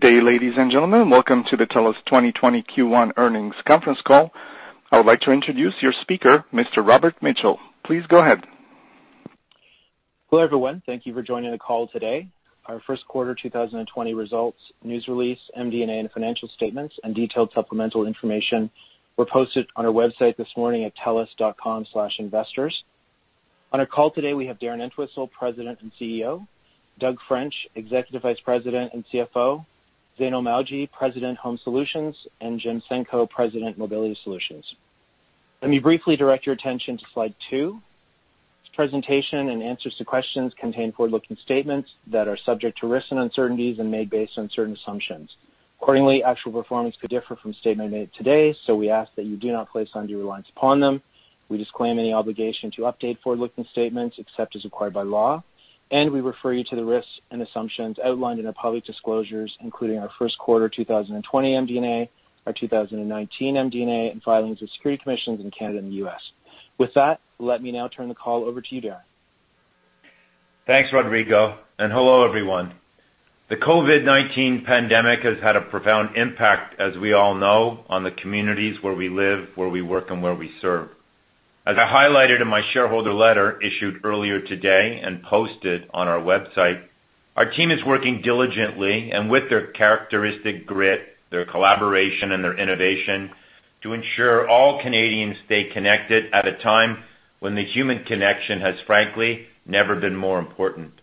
Good day, ladies and gentlemen. Welcome to the TELUS 2020 Q1 earnings conference call. I would like to introduce your speaker, Mr. Robert Mitchell. Please go ahead. Hello, everyone. Thank you for joining the call today. Our first quarter 2020 results, news release, MD&A, and financial statements and detailed supplemental information were posted on our website this morning at telus.com/investors. On our call today, we have Darren Entwistle, President and CEO, Doug French, Executive Vice President and CFO, Zainul Mawji, President, Home Solutions, and Jim Senko, President, Mobility Solutions. Let me briefly direct your attention to slide two. This presentation and answers to questions contain forward-looking statements that are subject to risks and uncertainties and made based on certain assumptions. Accordingly, actual performance could differ from statements made today, so we ask that you do not place undue reliance upon them. We disclaim any obligation to update forward-looking statements except as required by law. We refer you to the risks and assumptions outlined in our public disclosures, including our first quarter 2020 MD&A, our 2019 MD&A, and filings with security commissions in Canada and the U.S. With that, let me now turn the call over to you, Darren. Thanks, Rodrigo, and hello, everyone. The COVID-19 pandemic has had a profound impact, as we all know, on the communities where we live, where we work, and where we serve. As I highlighted in my shareholder letter issued earlier today and posted on our website, our team is working diligently and with their characteristic grit, their collaboration, and their innovation to ensure all Canadians stay connected at a time when the human connection has frankly, never been more important.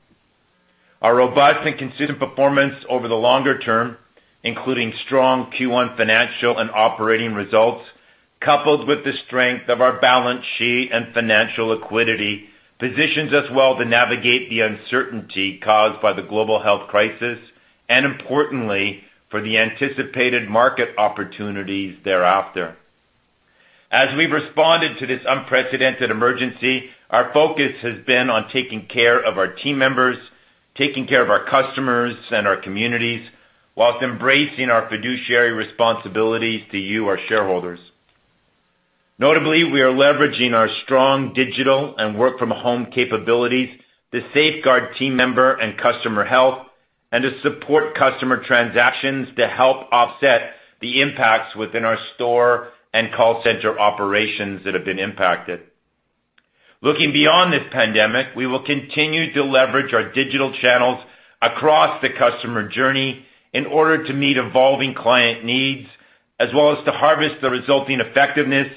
Our robust and consistent performance over the longer term, including strong Q1 financial and operating results, coupled with the strength of our balance sheet and financial liquidity, positions us well to navigate the uncertainty caused by the global health crisis, and importantly, for the anticipated market opportunities thereafter. As we've responded to this unprecedented emergency, our focus has been on taking care of our team members, taking care of our customers and our communities, whilst embracing our fiduciary responsibilities to you, our shareholders. Notably, we are leveraging our strong digital and work-from-home capabilities to safeguard team member and customer health and to support customer transactions to help offset the impacts within our store and call center operations that have been impacted. Looking beyond this pandemic, we will continue to leverage our digital channels across the customer journey in order to meet evolving client needs, as well as to harvest the resulting effectiveness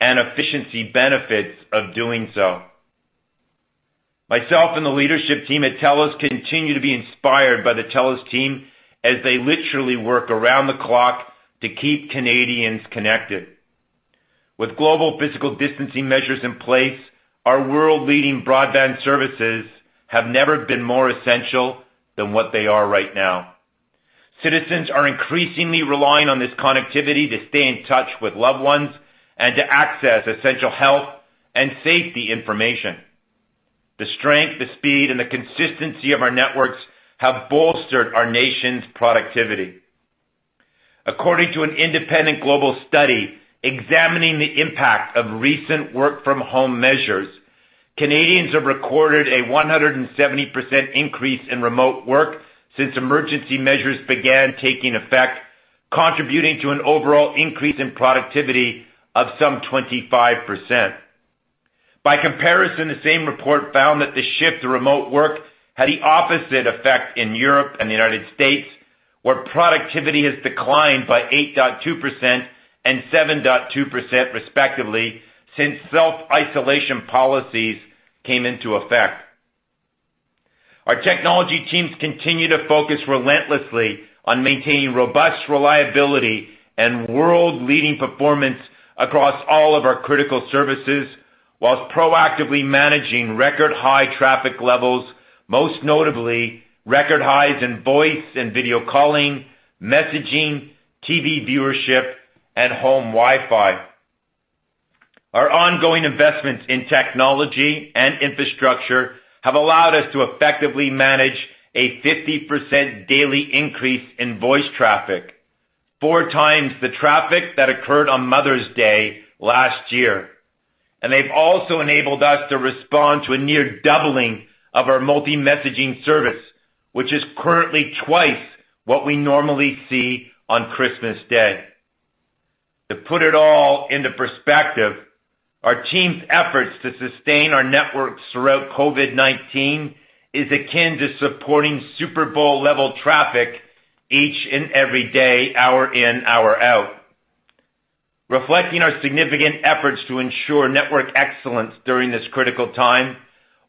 and efficiency benefits of doing so. Myself and the leadership team at TELUS continue to be inspired by the TELUS team as they literally work around the clock to keep Canadians connected. With global physical distancing measures in place, our world-leading broadband services have never been more essential than what they are right now. Citizens are increasingly relying on this connectivity to stay in touch with loved ones and to access essential health and safety information. The strength, the speed, and the consistency of our networks have bolstered our nation's productivity. According to an independent global study examining the impact of recent work-from-home measures, Canadians have recorded a 170% increase in remote work since emergency measures began taking effect, contributing to an overall increase in productivity of some 25%. By comparison, the same report found that the shift to remote work had the opposite effect in Europe and the United States, where productivity has declined by eight dot two percent and seven dot two percent, respectively, since self-isolation policies came into effect. Our technology teams continue to focus relentlessly on maintaining robust reliability and world-leading performance across all of our critical services whilst proactively managing record high traffic levels, most notably record highs in voice and video calling, messaging, TV viewership, and home Wi-Fi. Our ongoing investments in technology and infrastructure have allowed us to effectively manage a 50% daily increase in voice traffic, four times the traffic that occurred on Mother's Day last year. They've also enabled us to respond to a near doubling of our multi-messaging service, which is currently twice what we normally see on Christmas Day. To put it all into perspective, our team's efforts to sustain our networks throughout COVID-19 is akin to supporting Super Bowl-level traffic each and every day, hour in, hour out. Reflecting our significant efforts to ensure network excellence during this critical time,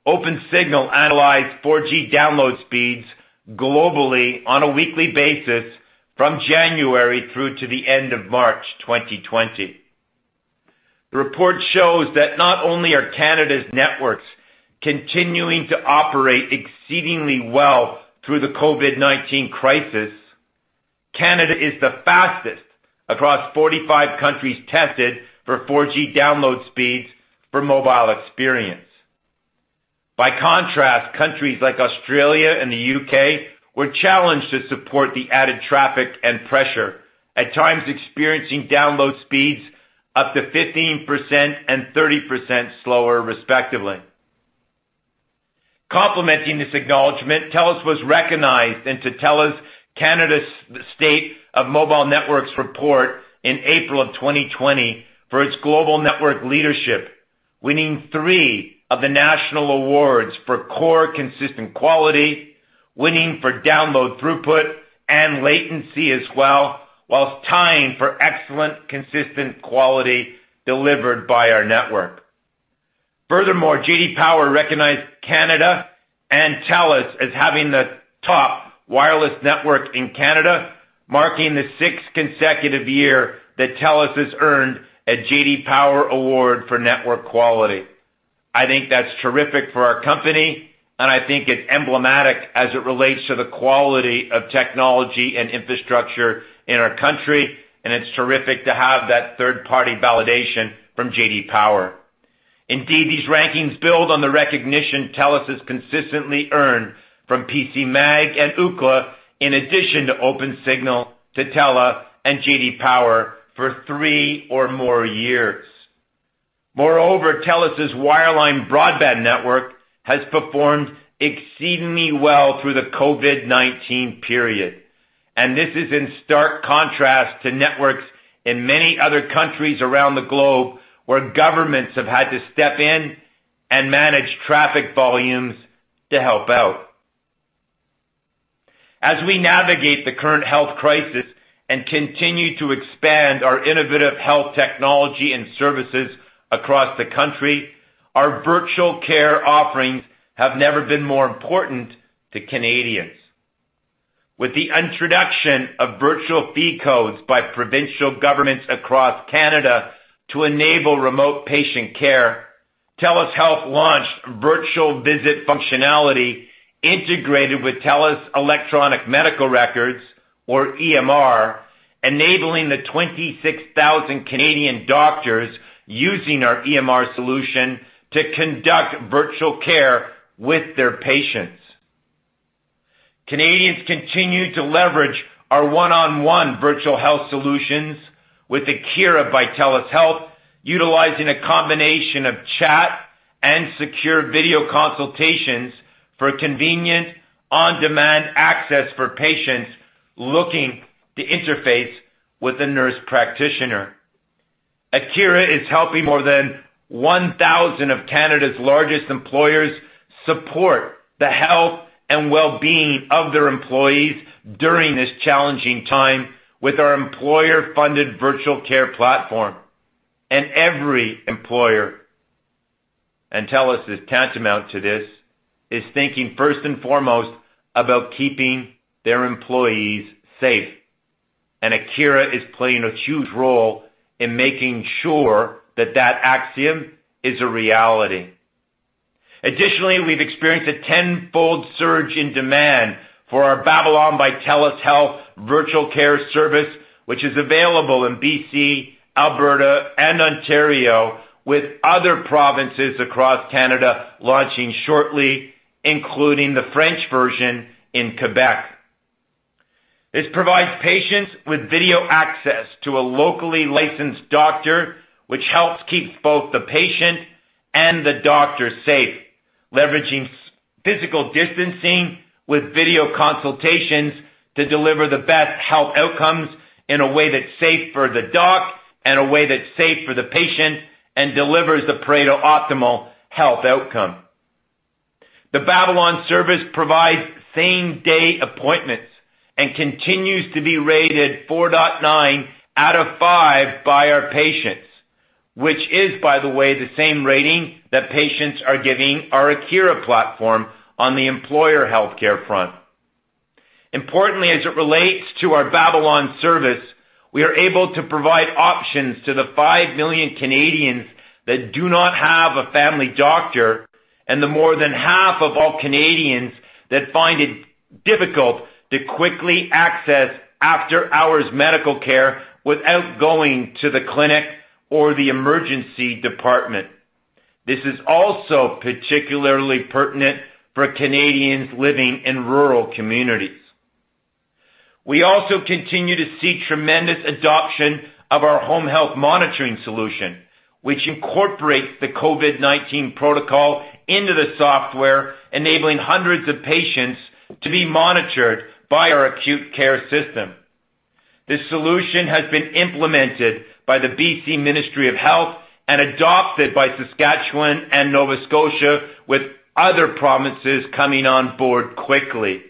Opensignal analyzed 4G download speeds globally on a weekly basis from January through to the end of March 2020. The report shows that not only are Canada's networks continuing to operate exceedingly well through the COVID-19 crisis, Canada is the fastest across 45 countries tested for 4G download speeds for mobile experience. By contrast, countries like Australia and the U.K. were challenged to support the added traffic and pressure, at times experiencing download speeds up to 15% and 30% slower, respectively. Complementing this acknowledgment, TELUS was recognized in Tutela's Canada State of Mobile Networks report in April of 2020 for its global network leadership, winning three of the national awards for core consistent quality, winning for download throughput and latency as well, whilst tying for excellent consistent quality delivered by our network. Power recognized Canada and TELUS as having the top wireless network in Canada, marking the sixth consecutive year that TELUS has earned a J.D. Power award for network quality. I think that's terrific for our company, and I think it's emblematic as it relates to the quality of technology and infrastructure in our country, and it's terrific to have that third-party validation from J.D. Power. Indeed, these rankings build on the recognition TELUS has consistently earned from PCMag and Ookla in addition to Opensignal, Tutela, and J.D. Power for three or more years. Moreover, TELUS's wireline broadband network has performed exceedingly well through the COVID-19 period, and this is in stark contrast to networks in many other countries around the globe, where governments have had to step in and manage traffic volumes to help out. As we navigate the current health crisis and continue to expand our innovative health technology and services across the country, our virtual care offerings have never been more important to Canadians. With the introduction of virtual fee codes by provincial governments across Canada to enable remote patient care, TELUS Health launched virtual visit functionality integrated with TELUS Electronic Medical Records, or EMR, enabling the 26,000 Canadian doctors using our EMR solution to conduct virtual care with their patients. Canadians continue to leverage our one-on-one virtual health solutions with Akira by TELUS Health, utilizing a combination of chat and secure video consultations for convenient on-demand access for patients looking to interface with a nurse practitioner. Akira is helping more than 1,000 of Canada's largest employers support the health and wellbeing of their employees during this challenging time with our employer-funded virtual care platform. Every employer, and TELUS is tantamount to this, is thinking first and foremost about keeping their employees safe. Akira is playing a huge role in making sure that that axiom is a reality. Additionally, we've experienced a tenfold surge in demand for our Babylon by TELUS Health virtual care service, which is available in B.C., Alberta, and Ontario, with other provinces across Canada launching shortly, including the French version in Quebec. This provides patients with video access to a locally licensed doctor, which helps keep both the patient and the doctor safe, leveraging physical distancing with video consultations to deliver the best health outcomes in a way that's safe for the doc and a way that's safe for the patient and delivers the Pareto optimal health outcome. The Babylon service provides same-day appointments and continues to be rated 4.9 out of five by our patients, which is, by the way, the same rating that patients are giving our Akira platform on the employer healthcare front. Importantly, as it relates to our Babylon service, we are able to provide options to the five million Canadians that do not have a family doctor and the more than half of all Canadians that find it difficult to quickly access after-hours medical care without going to the clinic or the emergency department. This is also particularly pertinent for Canadians living in rural communities. We also continue to see tremendous adoption of our home health monitoring solution, which incorporates the COVID-19 protocol into the software, enabling hundreds of patients to be monitored by our acute care system. This solution has been implemented by the BC Ministry of Health and adopted by Saskatchewan and Nova Scotia, with other provinces coming on board quickly.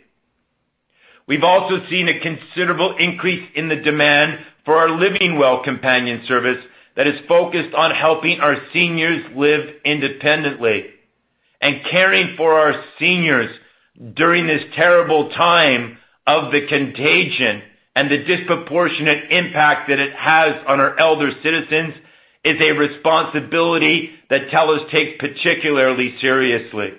We've also seen a considerable increase in the demand for our LivingWell Companion service that is focused on helping our seniors live independently. Caring for our seniors during this terrible time of the contagion and the disproportionate impact that it has on our elder citizens is a responsibility that TELUS takes particularly seriously.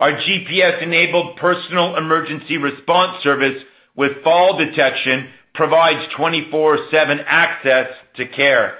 Our GPS-enabled personal emergency response service with fall detection provides 24/7 access to care.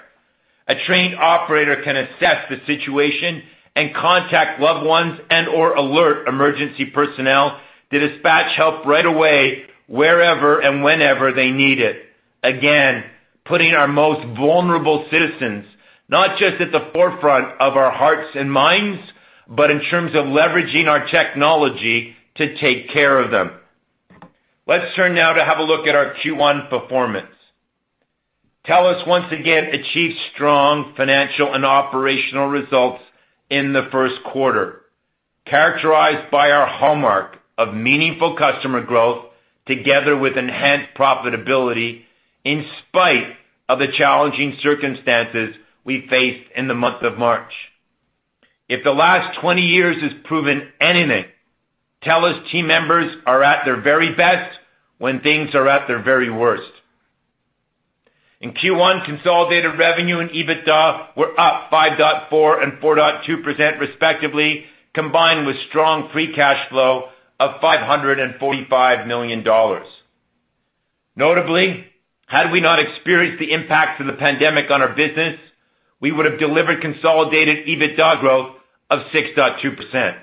A trained operator can assess the situation and contact loved ones and/or alert emergency personnel to dispatch help right away wherever and whenever they need it. Again, putting our most vulnerable citizens, not just at the forefront of our hearts and minds, but in terms of leveraging our technology to take care of them. Let's turn now to have a look at our Q1 performance. TELUS once again achieved strong financial and operational results in the first quarter, characterized by our hallmark of meaningful customer growth together with enhanced profitability in spite of the challenging circumstances we faced in the month of March. If the last 20 years has proven anything, TELUS team members are at their very best when things are at their very worst. In Q1, consolidated revenue and EBITDA were up five dot four and four dot two respectively, combined with strong free cash flow of 545 million dollars. Notably, had we not experienced the impacts of the pandemic on our business, we would have delivered consolidated EBITDA growth of six dot two percent.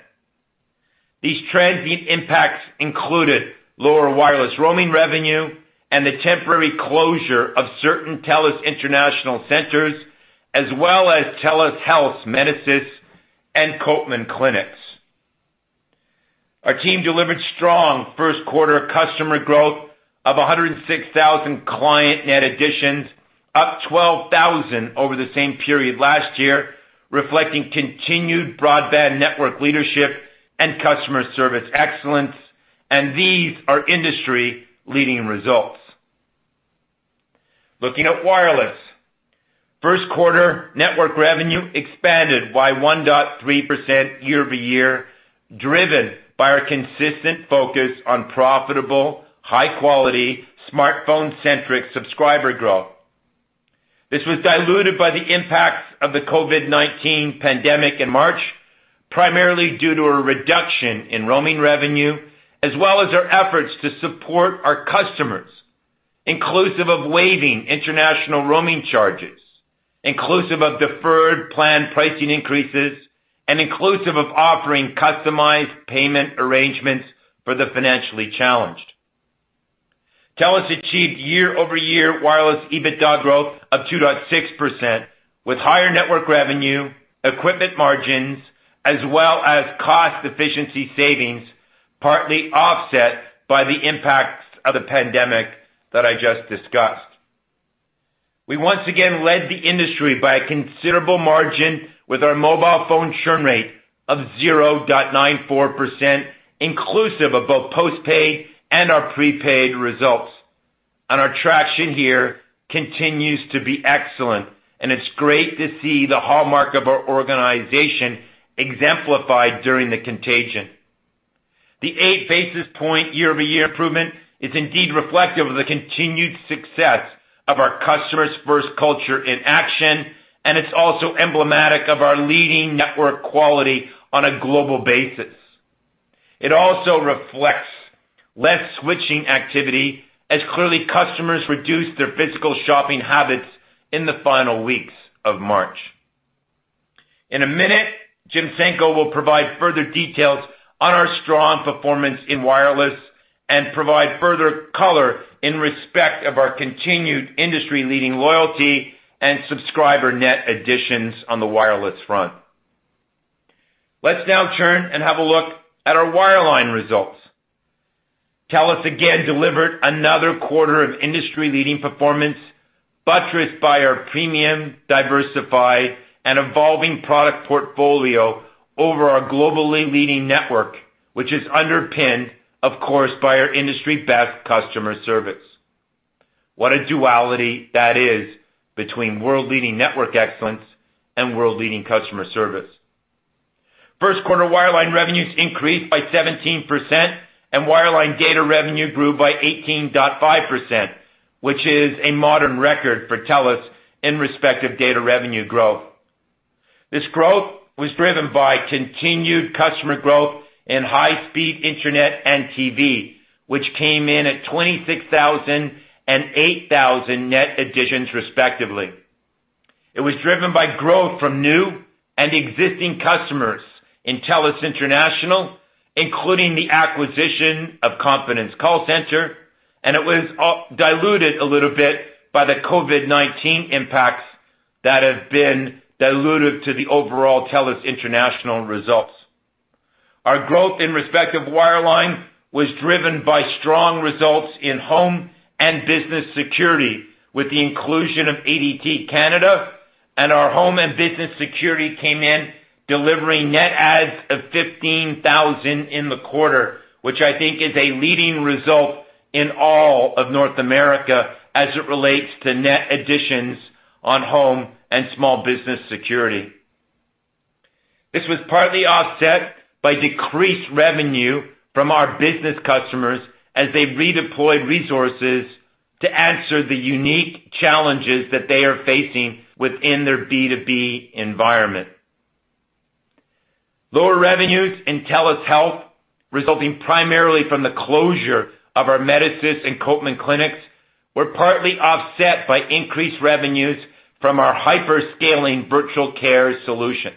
These transient impacts included lower wireless roaming revenue and the temporary closure of certain TELUS International centers as well as TELUS Health's Medisys and Copeman clinics. Our team delivered strong first quarter customer growth of 106,000 client net additions, up 12,000 over the same period last year, reflecting continued broadband network leadership and customer service excellence. These are industry-leading results. Looking at wireless. First quarter network revenue expanded by one dot three percent year-over-year, driven by our consistent focus on profitable, high-quality, smartphone-centric subscriber growth. This was diluted by the impacts of the COVID-19 pandemic in March, primarily due to a reduction in roaming revenue, as well as our efforts to support our customers, inclusive of waiving international roaming charges, inclusive of deferred planned pricing increases, and inclusive of offering customized payment arrangements for the financially challenged. TELUS achieved year-over-year wireless EBITDA growth of two dot six percent with higher network revenue, equipment margins, as well as cost efficiency savings, partly offset by the impacts of the pandemic that I just discussed. We once again led the industry by a considerable margin with our mobile phone churn rate of zero dot nine four percent, inclusive of both postpaid and our prepaid results. Our traction here continues to be excellent, and it's great to see the hallmark of our organization exemplified during the contagion. The eight basis point year-over-year improvement is indeed reflective of the continued success of our customers' first culture in action, and it's also emblematic of our leading network quality on a global basis. It also reflects less switching activity as clearly customers reduced their physical shopping habits in the final weeks of March. In a minute, Jim Senko will provide further details on our strong performance in wireless and provide further color in respect of our continued industry-leading loyalty and subscriber net additions on the wireless front. Let's now turn and have a look at our wireline results. TELUS again delivered another quarter of industry-leading performance, buttressed by our premium, diversified, and evolving product portfolio over our globally leading network, which is underpinned, of course, by our industry-best customer service. What a duality that is between world-leading network excellence and world-leading customer service. First quarter wireline revenues increased by 17%, and wireline data revenue grew by 18.5%, which is a modern record for TELUS in respect of data revenue growth. This growth was driven by continued customer growth in high-speed internet and TV, which came in at 26,000 and 8,000 net additions respectively. It was driven by growth from new and existing customers in TELUS International, including the acquisition of Competence Call Center, and it was diluted a little bit by the COVID-19 impacts that have been dilutive to the overall TELUS International results. Our growth in respect of wireline was driven by strong results in home and business security with the inclusion of ADT Canada, and our home and business security came in delivering net adds of 15,000 in the quarter, which I think is a leading result in all of North America as it relates to net additions on home and small business security. This was partly offset by decreased revenue from our business customers as they redeployed resources to answer the unique challenges that they are facing within their B2B environment. Lower revenues in TELUS Health, resulting primarily from the closure of our Medisys and Copeman clinics, were partly offset by increased revenues from our hyper-scaling virtual care solutions.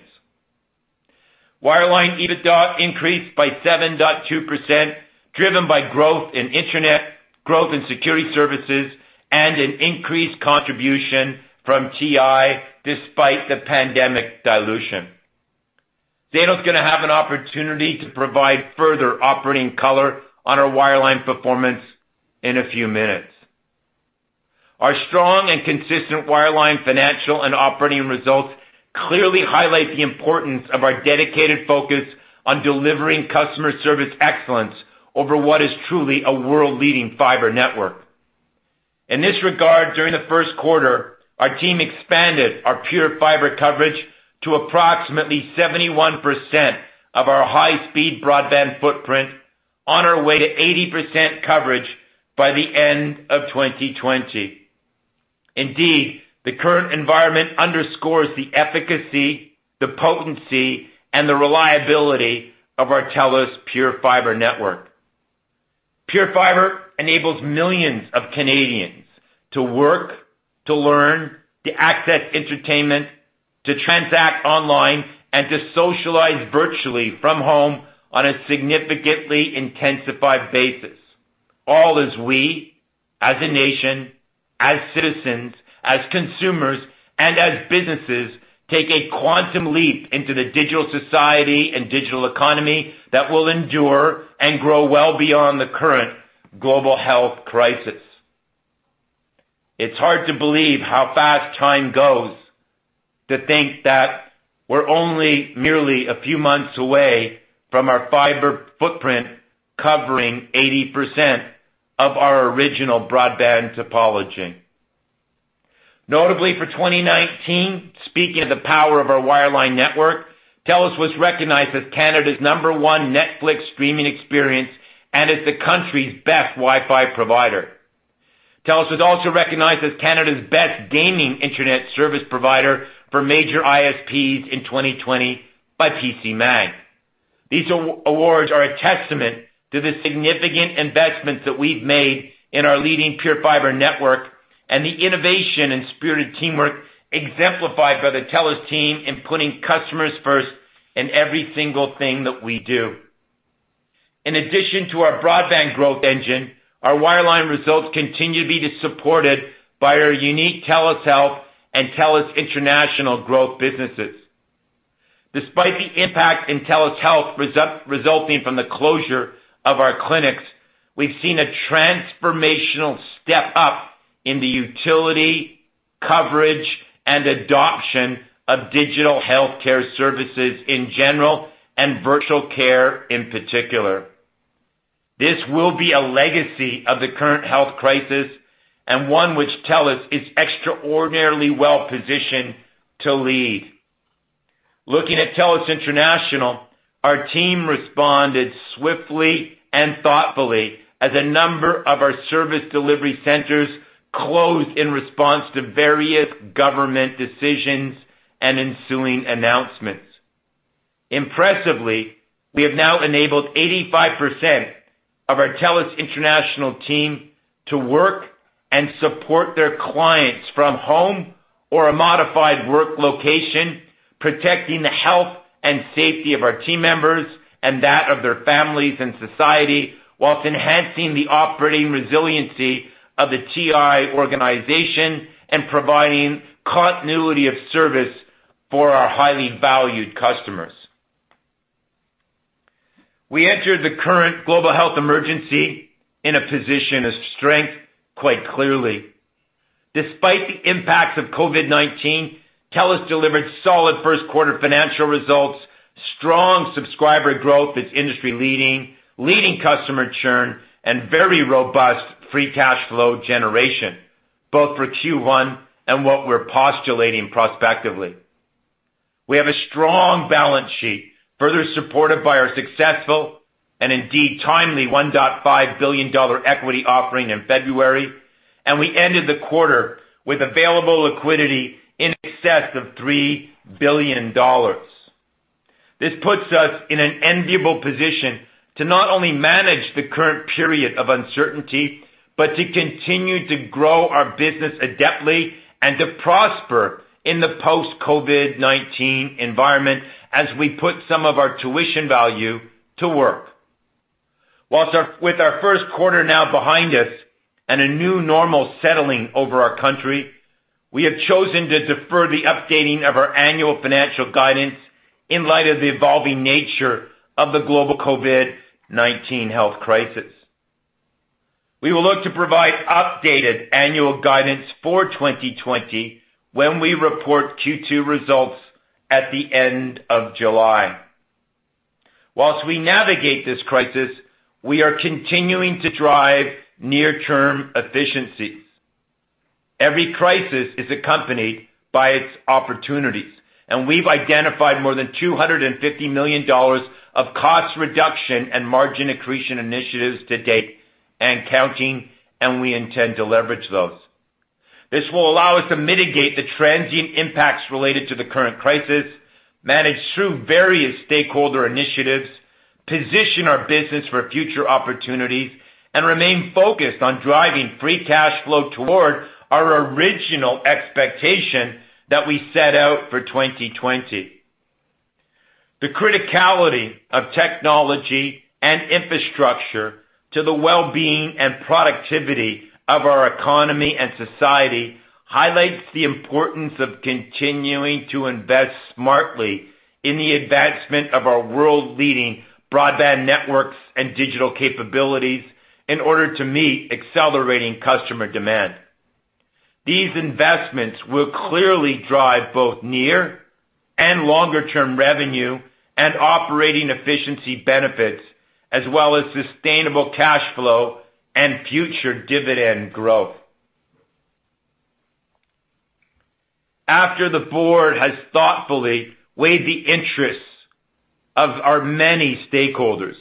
Wireline EBITDA increased by seven dot two percent, driven by growth in internet, growth in security services, and an increased contribution from TI despite the pandemic dilution. Zainul's going to have an opportunity to provide further operating color on our wireline performance in a few minutes. Our strong and consistent wireline financial and operating results clearly highlight the importance of our dedicated focus on delivering customer service excellence over what is truly a world-leading fiber network. In this regard, during the first quarter, our team expanded our PureFibre coverage to approximately 71% of our high-speed broadband footprint, on our way to 80% coverage by the end of 2020. The current environment underscores the efficacy, the potency, and the reliability of our TELUS PureFibre network. PureFibre enables millions of Canadians to work, to learn, to access entertainment, to transact online, and to socialize virtually from home on a significantly intensified basis. All as we, as a nation, as citizens, as consumers, and as businesses, take a quantum leap into the digital society and digital economy that will endure and grow well beyond the current global health crisis. It's hard to believe how fast time goes to think that we're only merely a few months away from our fibre footprint covering 80% of our original broadband topology. Notably for 2019, speaking of the power of our wireline network, TELUS was recognized as Canada's number one Netflix streaming experience and as the country's best Wi-Fi provider. TELUS was also recognized as Canada's best gaming internet service provider for major ISPs in 2020 by PCMag. These awards are a testament to the significant investments that we've made in our leading PureFibre network and the innovation and spirited teamwork exemplified by the TELUS team in putting customers first in every single thing that we do. In addition to our broadband growth engine, our wireline results continue to be supported by our unique TELUS Health and TELUS International growth businesses. Despite the impact in TELUS Health resulting from the closure of our clinics, we've seen a transformational step up in the utility, coverage, and adoption of digital healthcare services in general, and virtual care in particular. This will be a legacy of the current health crisis and one which TELUS is extraordinarily well-positioned to lead. Looking at TELUS International, our team responded swiftly and thoughtfully as a number of our service delivery centers closed in response to various government decisions and ensuing announcements. Impressively, we have now enabled 85% of our TELUS International team to work and support their clients from home or a modified work location, protecting the health and safety of our team members and that of their families and society, whilst enhancing the operating resiliency of the TI organization and providing continuity of service for our highly valued customers. We entered the current global health emergency in a position of strength, quite clearly. Despite the impacts of COVID-19, TELUS delivered solid first quarter financial results, strong subscriber growth that's industry-leading, leading customer churn, and very robust free cash flow generation, both for Q1 and what we're postulating prospectively. We have a strong balance sheet, further supported by our successful, and indeed timely, 1.5 billion dollar equity offering in February. We ended the quarter with available liquidity in excess of 3 billion dollars. This puts us in an enviable position to not only manage the current period of uncertainty, but to continue to grow our business adeptly and to prosper in the post-COVID-19 environment as we put some of our tuition value to work. Whilst with our first quarter now behind us and a new normal settling over our country, we have chosen to defer the updating of our annual financial guidance in light of the evolving nature of the global COVID-19 health crisis. We will look to provide updated annual guidance for 2020 when we report Q2 results at the end of July. Whilst we navigate this crisis, we are continuing to drive near-term efficiencies. Every crisis is accompanied by its opportunities, and we've identified more than 250 million dollars of cost reduction and margin accretion initiatives to date and counting, and we intend to leverage those. This will allow us to mitigate the transient impacts related to the current crisis, manage through various stakeholder initiatives, position our business for future opportunities and remain focused on driving free cash flow toward our original expectation that we set out for 2020. The criticality of technology and infrastructure to the well-being and productivity of our economy and society highlights the importance of continuing to invest smartly in the advancement of our world-leading broadband networks and digital capabilities in order to meet accelerating customer demand. These investments will clearly drive both near and longer-term revenue and operating efficiency benefits, as well as sustainable cash flow and future dividend growth. After the board has thoughtfully weighed the interests of our many stakeholders,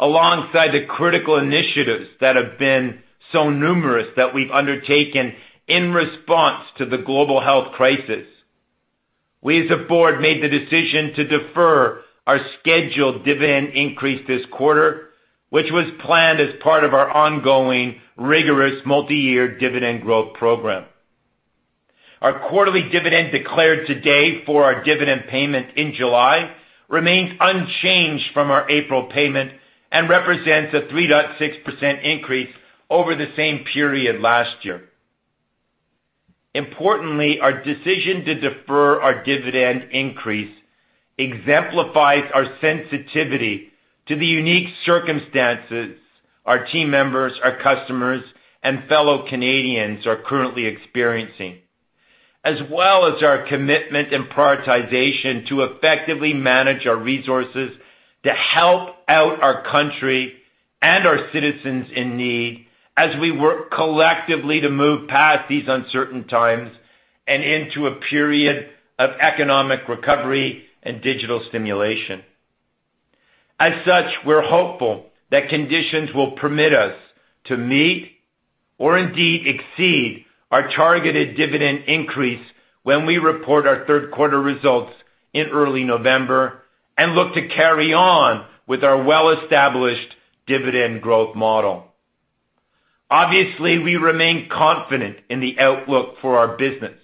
alongside the critical initiatives that have been so numerous that we've undertaken in response to the global health crisis, we, as a board, made the decision to defer our scheduled dividend increase this quarter, which was planned as part of our ongoing rigorous multi-year dividend growth program. Our quarterly dividend declared today for our dividend payment in July remains unchanged from our April payment and represents a three dot six percent increase over the same period last year. Importantly, our decision to defer our dividend increase exemplifies our sensitivity to the unique circumstances our team members, our customers, and fellow Canadians are currently experiencing, as well as our commitment and prioritization to effectively manage our resources to help out our country and our citizens in need as we work collectively to move past these uncertain times and into a period of economic recovery and digital stimulation. As such, we're hopeful that conditions will permit us to meet or indeed exceed our targeted dividend increase when we report our third-quarter results in early November and look to carry on with our well-established dividend growth model. Obviously, we remain confident in the outlook for our business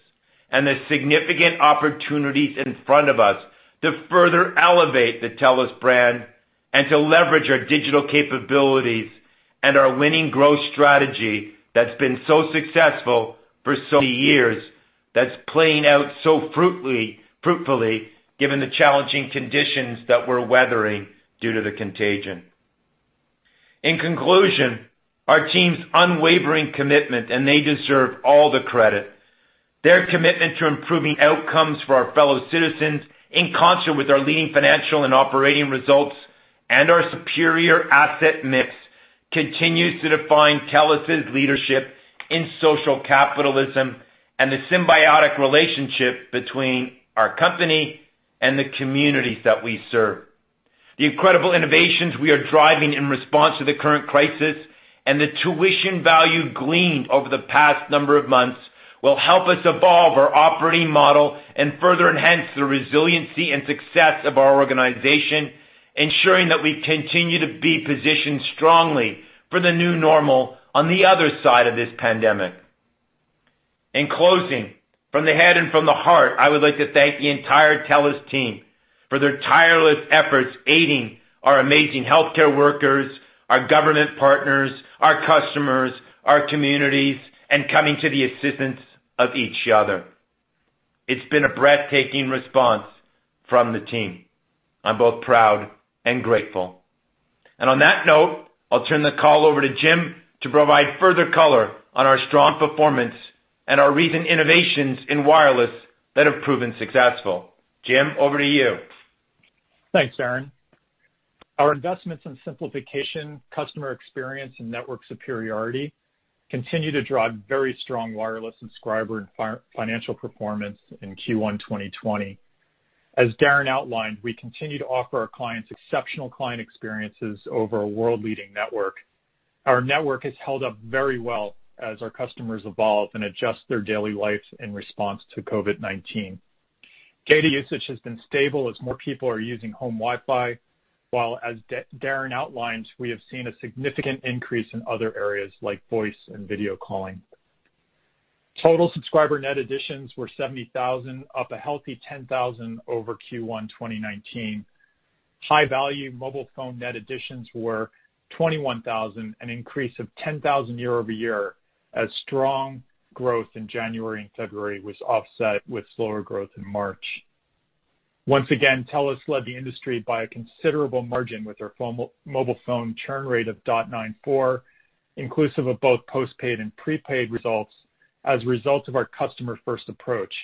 and the significant opportunities in front of us to further elevate the TELUS brand and to leverage our digital capabilities and our winning growth strategy that's been so successful for so many years that's playing out so fruitfully given the challenging conditions that we're weathering due to the contagion. In conclusion, our team's unwavering commitment, and they deserve all the credit. Their commitment to improving outcomes for our fellow citizens in concert with our leading financial and operating results and our superior asset mix continues to define TELUS' leadership in social capitalism and the symbiotic relationship between our company and the communities that we serve. The incredible innovations we are driving in response to the current crisis and the tuition value gleaned over the past number of months will help us evolve our operating model and further enhance the resiliency and success of our organization, ensuring that we continue to be positioned strongly for the new normal on the other side of this pandemic. In closing, from the head and from the heart, I would like to thank the entire TELUS team for their tireless efforts aiding our amazing healthcare workers, our government partners, our customers, our communities, and coming to the assistance of each other. It's been a breathtaking response from the team. I'm both proud and grateful. On that note, I'll turn the call over to Jim to provide further color on our strong performance and our recent innovations in wireless that have proven successful. Jim, over to you. Thanks, Darren. Our investments in simplification, customer experience, and network superiority continue to drive very strong wireless subscriber and financial performance in Q1 2020. As Darren outlined, we continue to offer our clients exceptional client experiences over a world-leading network. Our network has held up very well as our customers evolve and adjust their daily lives in response to COVID-19. Data usage has been stable as more people are using home Wi-Fi, while as Darren outlined, we have seen a significant increase in other areas like voice and video calling. Total subscriber net additions were 70,000, up a healthy 10,000 over Q1 2019. High-value mobile phone net additions were 21,000, an increase of 10,000 year-over-year, as strong growth in January and February was offset with slower growth in March. Once again, TELUS led the industry by a considerable margin with our mobile phone churn rate of dot nine four, inclusive of both postpaid and prepaid results as a result of our customer-first approach.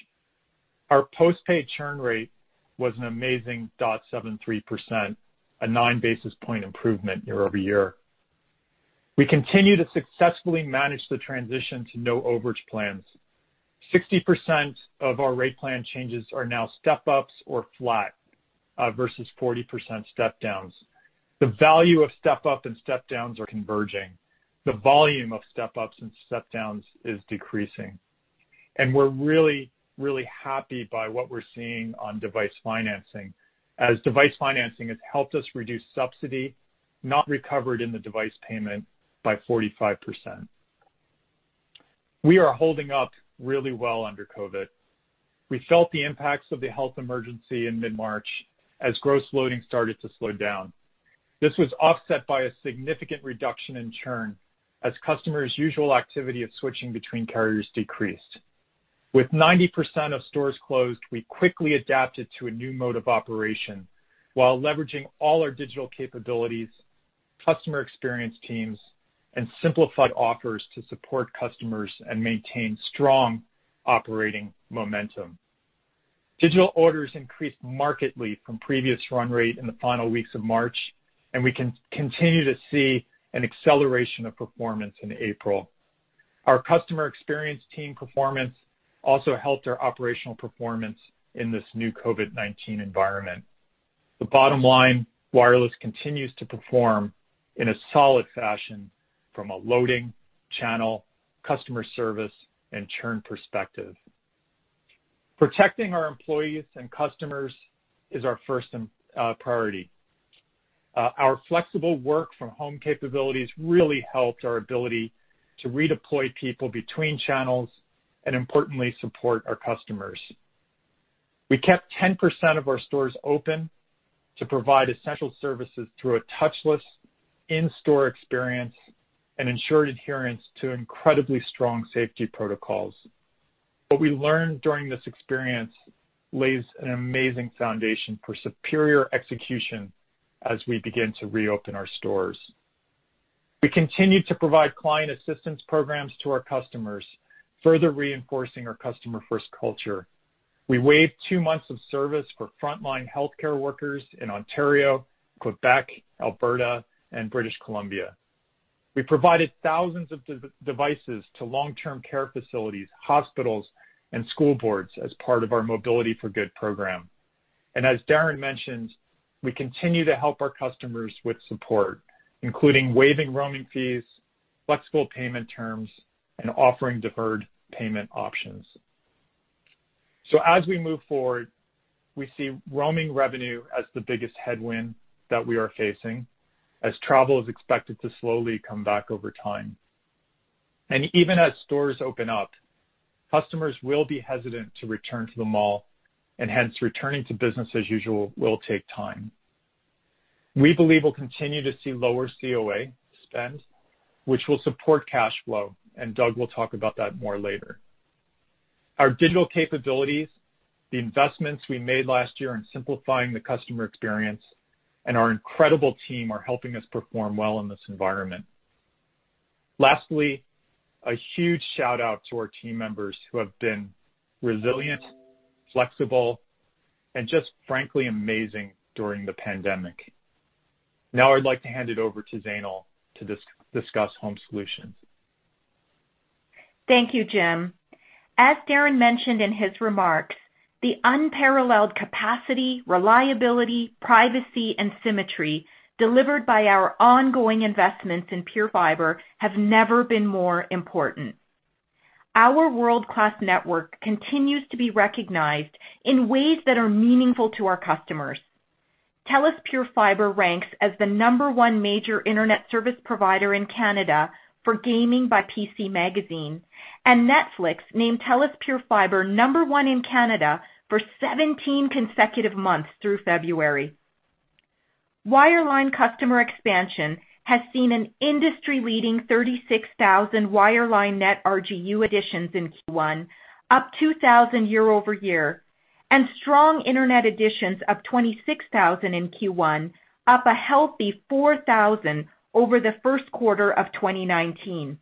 Our postpaid churn rate was an amazing dot seven three percent, a nine basis point improvement year-over-year. We continue to successfully manage the transition to no overage plans. 60% of our rate plan changes are now step-ups or flat versus 40% step-downs. The value of step-up and step-downs are converging. The volume of step-ups and step-downs is decreasing. We're really, really happy by what we're seeing on device financing, as device financing has helped us reduce subsidy not recovered in the device payment by 45%. We are holding up really well under COVID. We felt the impacts of the health emergency in mid-March as gross loading started to slow down. This was offset by a significant reduction in churn as customers' usual activity of switching between carriers decreased. With 90% of stores closed, we quickly adapted to a new mode of operation while leveraging all our digital capabilities, customer experience teams, and simplified offers to support customers and maintain strong operating momentum. Digital orders increased markedly from previous run rate in the final weeks of March, and we continue to see an acceleration of performance in April. Our customer experience team performance also helped our operational performance in this new COVID-19 environment. The bottom line, wireless continues to perform in a solid fashion from a loading, channel, customer service, and churn perspective. Protecting our employees and customers is our first priority. Our flexible work from home capabilities really helped our ability to redeploy people between channels and importantly support our customers. We kept 10% of our stores open to provide essential services through a touchless in-store experience and ensured adherence to incredibly strong safety protocols. What we learned during this experience lays an amazing foundation for superior execution as we begin to reopen our stores. We continue to provide client assistance programs to our customers, further reinforcing our customer-first culture. We waived two months of service for frontline healthcare workers in Ontario, Quebec, Alberta, and British Columbia. We provided thousands of devices to long-term care facilities, hospitals, and school boards as part of our Mobility for Good program. As Darren mentioned, we continue to help our customers with support, including waiving roaming fees, flexible payment terms, and offering deferred payment options. As we move forward, we see roaming revenue as the biggest headwind that we are facing, as travel is expected to slowly come back over time. Even as stores open up, customers will be hesitant to return to the mall, and hence returning to business as usual will take time. We believe we will continue to see lower COA spend, which will support cash flow, and Doug will talk about that more later. Our digital capabilities, the investments we made last year in simplifying the customer experience, and our incredible team are helping us perform well in this environment. Lastly, a huge shout-out to our team members who have been resilient, flexible, and just frankly amazing during the pandemic. Now I would like to hand it over to Zainul to discuss Home Solutions. Thank you, Jim. As Darren mentioned in his remarks, the unparalleled capacity, reliability, privacy, and symmetry delivered by our ongoing investments in PureFibre have never been more important. Our world-class network continues to be recognized in ways that are meaningful to our customers. TELUS PureFibre ranks as the number 1 major internet service provider in Canada for gaming by PCMag, and Netflix named TELUS PureFibre number 1 in Canada for 17 consecutive months through February. Wireline customer expansion has seen an industry-leading 36,000 wireline net RGU additions in Q1, up 2,000 year-over-year, and strong internet additions up 26,000 in Q1, up a healthy 4,000 over the first quarter of 2019.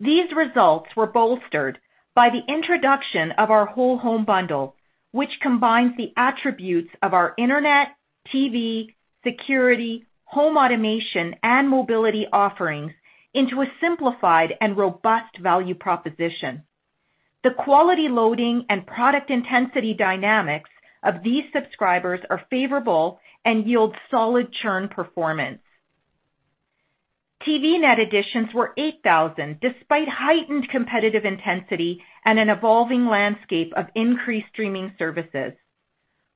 These results were bolstered by the introduction of our whole home bundle, which combines the attributes of our internet, TV, security, home automation, and mobility offerings into a simplified and robust value proposition. The quality loading and product intensity dynamics of these subscribers are favorable and yield solid churn performance. TV net additions were 8,000, despite heightened competitive intensity and an evolving landscape of increased streaming services.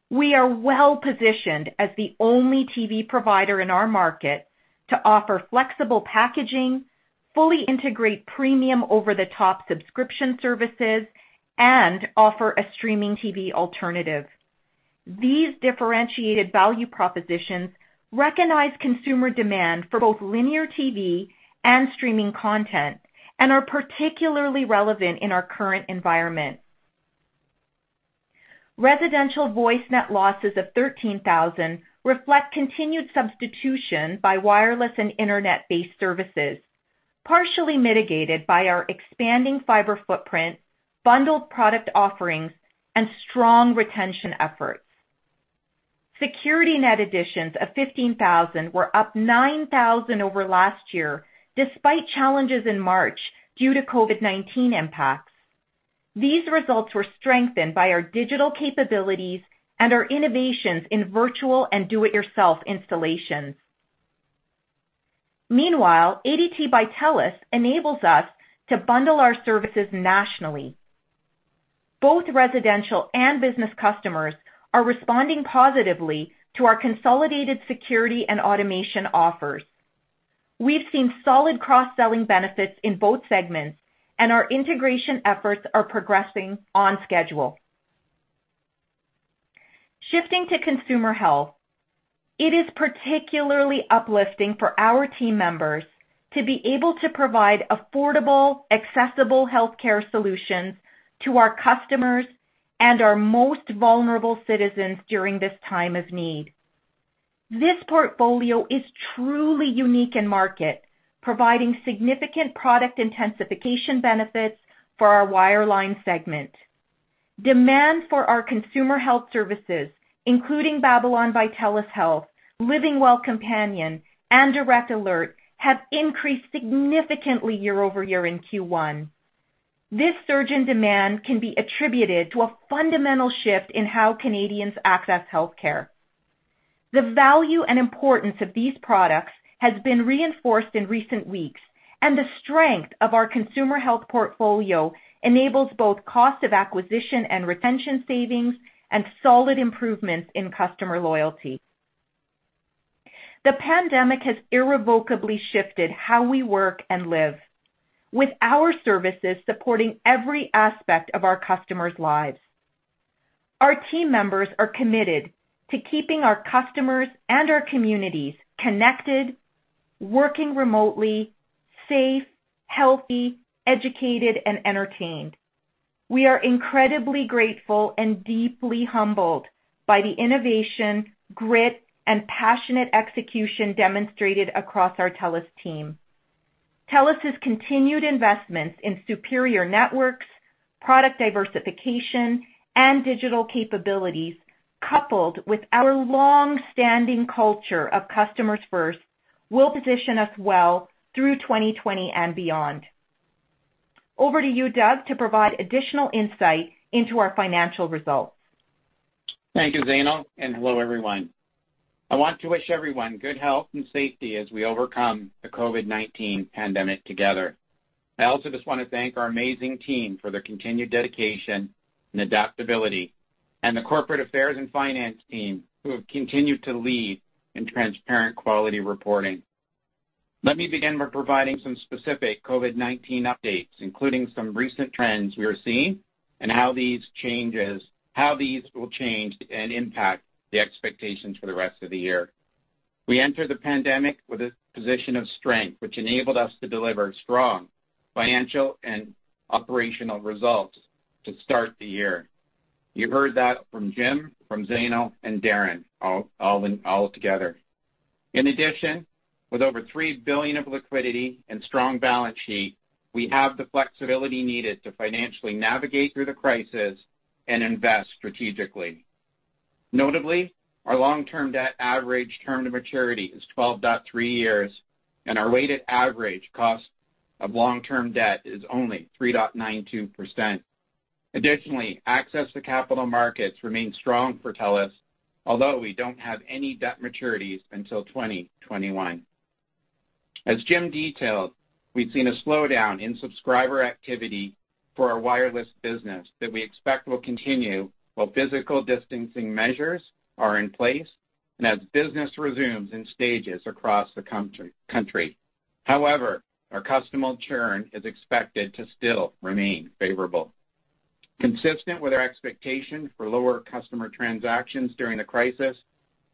We are well-positioned as the only TV provider in our market to offer flexible packaging, fully integrate premium over-the-top subscription services, and offer a streaming TV alternative. These differentiated value propositions recognize consumer demand for both linear TV and streaming content and are particularly relevant in our current environment. Residential voice net losses of 13,000 reflect continued substitution by wireless and internet-based services, partially mitigated by our expanding fiber footprint, bundled product offerings, and strong retention efforts. Security net additions of 15,000 were up 9,000 over last year, despite challenges in March due to COVID-19 impacts. These results were strengthened by our digital capabilities and our innovations in virtual and do-it-yourself installations. ADT by TELUS enables us to bundle our services nationally. Both residential and business customers are responding positively to our consolidated security and automation offers. We've seen solid cross-selling benefits in both segments, and our integration efforts are progressing on schedule. Shifting to consumer health, it is particularly uplifting for our team members to be able to provide affordable, accessible healthcare solutions to our customers and our most vulnerable citizens during this time of need. This portfolio is truly unique in market, providing significant product intensification benefits for our wireline segment. Demand for our consumer health services, including Babylon by TELUS Health, LivingWell Companion, and DirectAlert, have increased significantly year-over-year in Q1. This surge in demand can be attributed to a fundamental shift in how Canadians access healthcare. The value and importance of these products has been reinforced in recent weeks, and the strength of our consumer health portfolio enables both cost of acquisition and retention savings and solid improvements in customer loyalty. The pandemic has irrevocably shifted how we work and live, with our services supporting every aspect of our customers' lives. Our team members are committed to keeping our customers and our communities connected, working remotely, safe, healthy, educated, and entertained. We are incredibly grateful and deeply humbled by the innovation, grit, and passionate execution demonstrated across our TELUS team. TELUS's continued investments in superior networks, product diversification, and digital capabilities, coupled with our longstanding culture of customers first, will position us well through 2020 and beyond. Over to you, Doug, to provide additional insight into our financial results. Thank you, Zainul, and hello, everyone. I want to wish everyone good health and safety as we overcome the COVID-19 pandemic together. I also just want to thank our amazing team for their continued dedication and adaptability and the corporate affairs and finance team who have continued to lead in transparent quality reporting. Let me begin by providing some specific COVID-19 updates, including some recent trends we are seeing and how these will change and impact the expectations for the rest of the year. We entered the pandemic with a position of strength, which enabled us to deliver strong financial and operational results to start the year. You heard that from Jim, from Zainul, and Darren all together. In addition, with over 3 billion of liquidity and strong balance sheet, we have the flexibility needed to financially navigate through the crisis and invest strategically. Notably, our long-term debt average term to maturity is 12.3 years, and our weighted average cost of long-term debt is only three dot nine two percent. Additionally, access to capital markets remains strong for TELUS, although we don't have any debt maturities until 2021. As Jim detailed, we've seen a slowdown in subscriber activity for our wireless business that we expect will continue while physical distancing measures are in place and as business resumes in stages across the country. However, our customer churn is expected to still remain favorable. Consistent with our expectation for lower customer transactions during the crisis,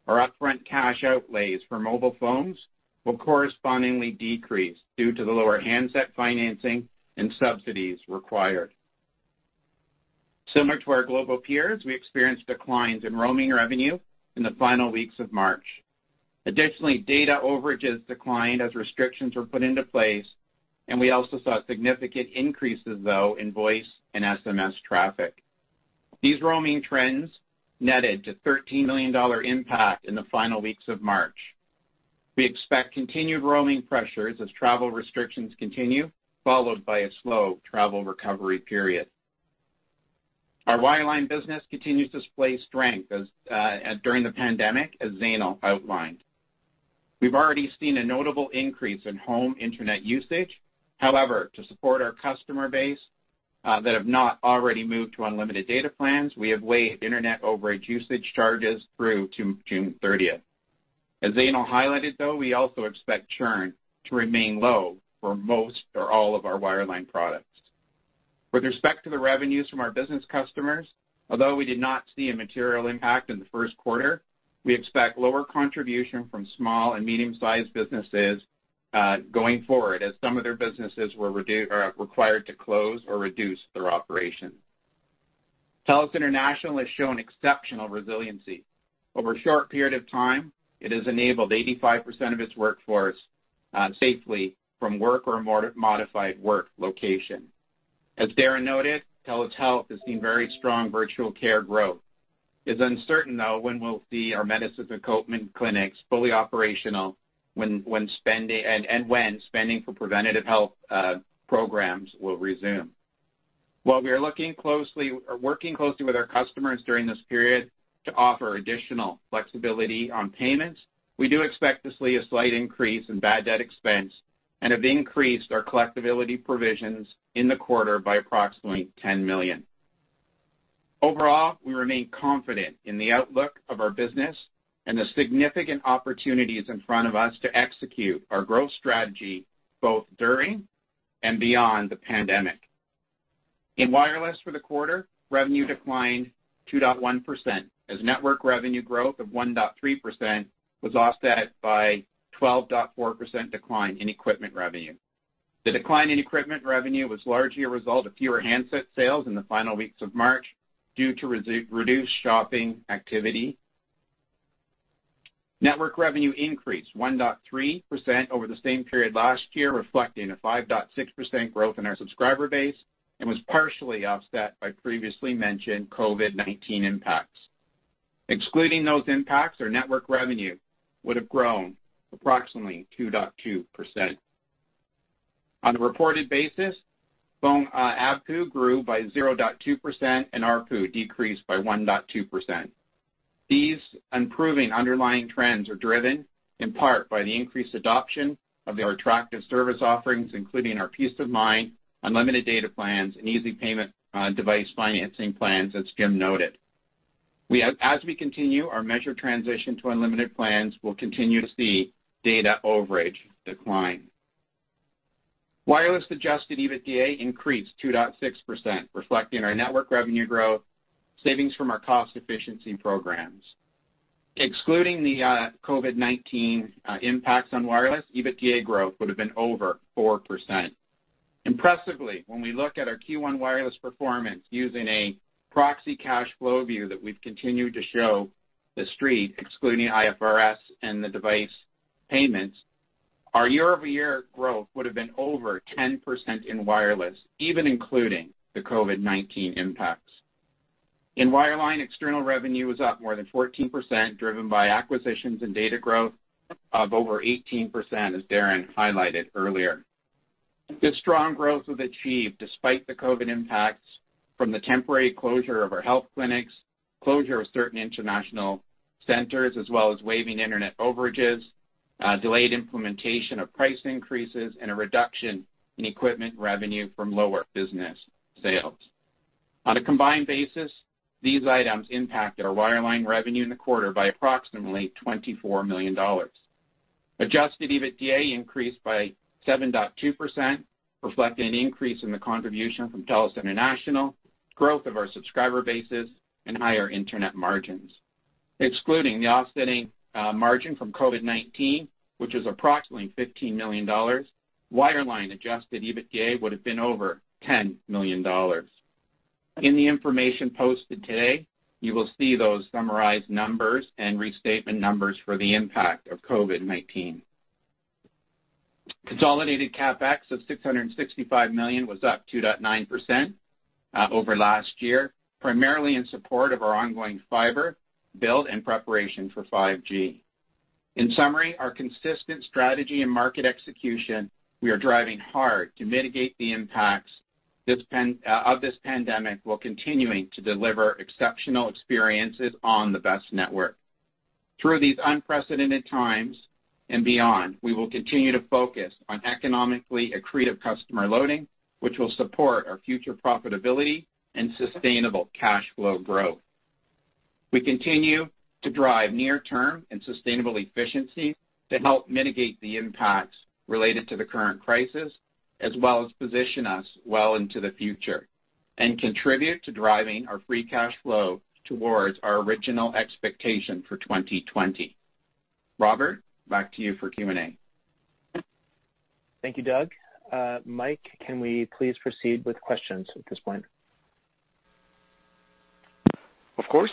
our upfront cash outlays for mobile phones will correspondingly decrease due to the lower handset financing and subsidies required. Similar to our global peers, we experienced declines in roaming revenue in the final weeks of March. Additionally, data overages declined as restrictions were put into place, and we also saw significant increases, though, in voice and SMS traffic. These roaming trends netted to 13 million dollar impact in the final weeks of March. We expect continued roaming pressures as travel restrictions continue, followed by a slow travel recovery period. Our wireline business continues to display strength during the pandemic, as Zainul outlined. We've already seen a notable increase in home internet usage. However, to support our customer base that have not already moved to unlimited data plans, we have waived internet overage usage charges through to June 30th. As Zainul highlighted, though, we also expect churn to remain low for most or all of our wireline products. With respect to the revenues from our business customers, although we did not see a material impact in the first quarter, we expect lower contribution from small and medium-sized businesses going forward as some of their businesses were required to close or reduce their operations. TELUS International has shown exceptional resiliency. Over a short period of time, it has enabled 85% of its workforce safely from work or a modified work location. As Darren noted, TELUS Health has seen very strong virtual care growth. It is uncertain, though, when we will see our Medisys and Copeman clinics fully operational and when spending for preventative health programs will resume. While we are working closely with our customers during this period to offer additional flexibility on payments, we do expect to see a slight increase in bad debt expense and have increased our collectibility provisions in the quarter by approximately 10 million. Overall, we remain confident in the outlook of our business and the significant opportunities in front of us to execute our growth strategy both during and beyond the pandemic. In wireless for the quarter, revenue declined two dot one percent as network revenue growth of one dot three percent was offset by 12.4% decline in equipment revenue. The decline in equipment revenue was largely a result of fewer handset sales in the final weeks of March due to reduced shopping activity. Network revenue increased one dot three percent over the same period last year, reflecting a five dot six percent growth in our subscriber base and was partially offset by previously mentioned COVID-19 impacts. Excluding those impacts, our network revenue would have grown approximately two dot two percent. On a reported basis, phone ARPU grew by zero dot two percent and ARPU decreased by one dot two percent. These improving underlying trends are driven in part by the increased adoption of our attractive service offerings, including our Peace of Mind, unlimited data plans, and easy payment device financing plans, as Jim noted. As we continue our measured transition to unlimited plans, we'll continue to see data overage decline. Wireless adjusted EBITDA increased two dot six percent, reflecting our network revenue growth, savings from our cost efficiency programs. Excluding the COVID-19 impacts on wireless, EBITDA growth would have been over four percent. Impressively, when we look at our Q1 wireless performance using a proxy cash flow view that we've continued to show the Street excluding IFRS and the device payments, our year-over-year growth would have been over 10% in wireless, even including the COVID-19 impacts. In wireline, external revenue was up more than 14%, driven by acquisitions and data growth of over 18% as Darren highlighted earlier. This strong growth was achieved despite the COVID impacts from the temporary closure of our health clinics, closure of certain international centers, as well as waiving internet overages, delayed implementation of price increases, and a reduction in equipment revenue from lower business sales. On a combined basis, these items impacted our wireline revenue in the quarter by approximately 24 million dollars. Adjusted EBITDA increased by seven dot two percent, reflecting an increase in the contribution from TELUS International, growth of our subscriber bases, and higher internet margins. Excluding the offsetting margin from COVID-19, which is approximately 15 million dollars, wireline adjusted EBITDA would have been over 10 million dollars. In the information posted today, you will see those summarized numbers and restatement numbers for the impact of COVID-19. Consolidated CapEx of 665 million was up two dot nine percent over last year, primarily in support of our ongoing fiber build and preparation for 5G. In summary, our consistent strategy and market execution, we are driving hard to mitigate the impacts of this pandemic while continuing to deliver exceptional experiences on the best network. Through these unprecedented times and beyond, we will continue to focus on economically accretive customer loading, which will support our future profitability and sustainable cash flow growth. We continue to drive near-term and sustainable efficiency to help mitigate the impacts related to the current crisis as well as position us well into the future and contribute to driving our free cash flow towards our original expectation for 2020. Robert, back to you for Q&A. Thank you, Doug. Mike, can we please proceed with questions at this point? Of course.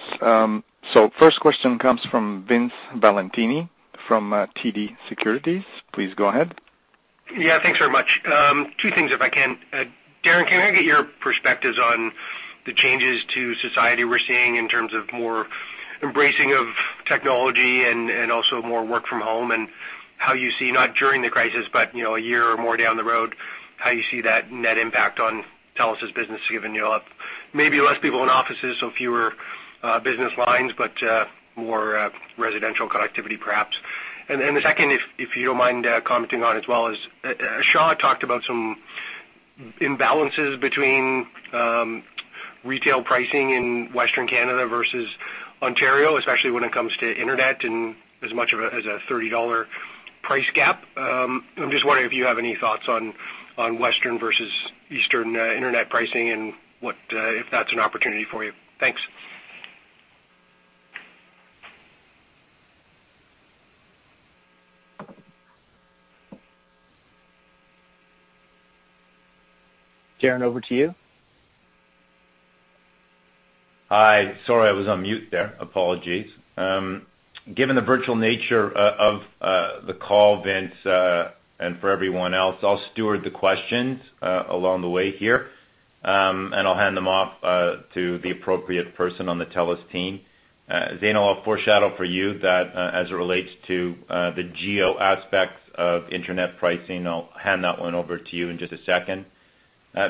First question comes from Vince Valentini from TD Securities. Please go ahead. Thanks very much. Two things if I can. Darren, can I get your perspectives on the changes to society we're seeing in terms of more embracing of technology and also more work from home and how you see not during the crisis, but a year or more down the road, how you see that net impact on TELUS's business given you have maybe less people in offices, so fewer business lines, but more residential connectivity perhaps. The second, if you don't mind commenting on as well as Shaw talked about some imbalances between retail pricing in Western Canada versus Ontario, especially when it comes to internet and as much as a 30 dollar price gap. I'm just wondering if you have any thoughts on Western versus Eastern internet pricing and if that's an opportunity for you. Thanks. Darren, over to you. Hi. Sorry, I was on mute there. Apologies. Given the virtual nature of the call, Vince, and for everyone else, I'll steward the questions along the way here, and I'll hand them off to the appropriate person on the TELUS team. Zainul, I'll foreshadow for you that as it relates to the geo aspects of internet pricing, I'll hand that one over to you in just a second.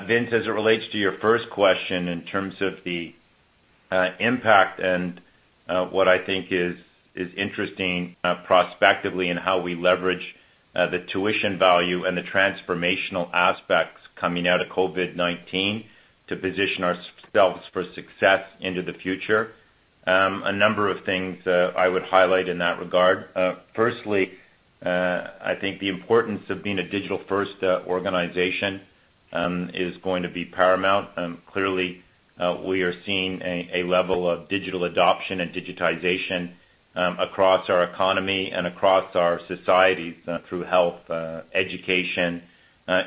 Vince, as it relates to your first question in terms of the impact and what I think is interesting prospectively in how we leverage the tuition value and the transformational aspects coming out of COVID-19 to position ourselves for success into the future. A number of things I would highlight in that regard. Firstly, I think the importance of being a digital-first organization is going to be paramount. Clearly, we are seeing a level of digital adoption and digitization across our economy and across our societies through health, education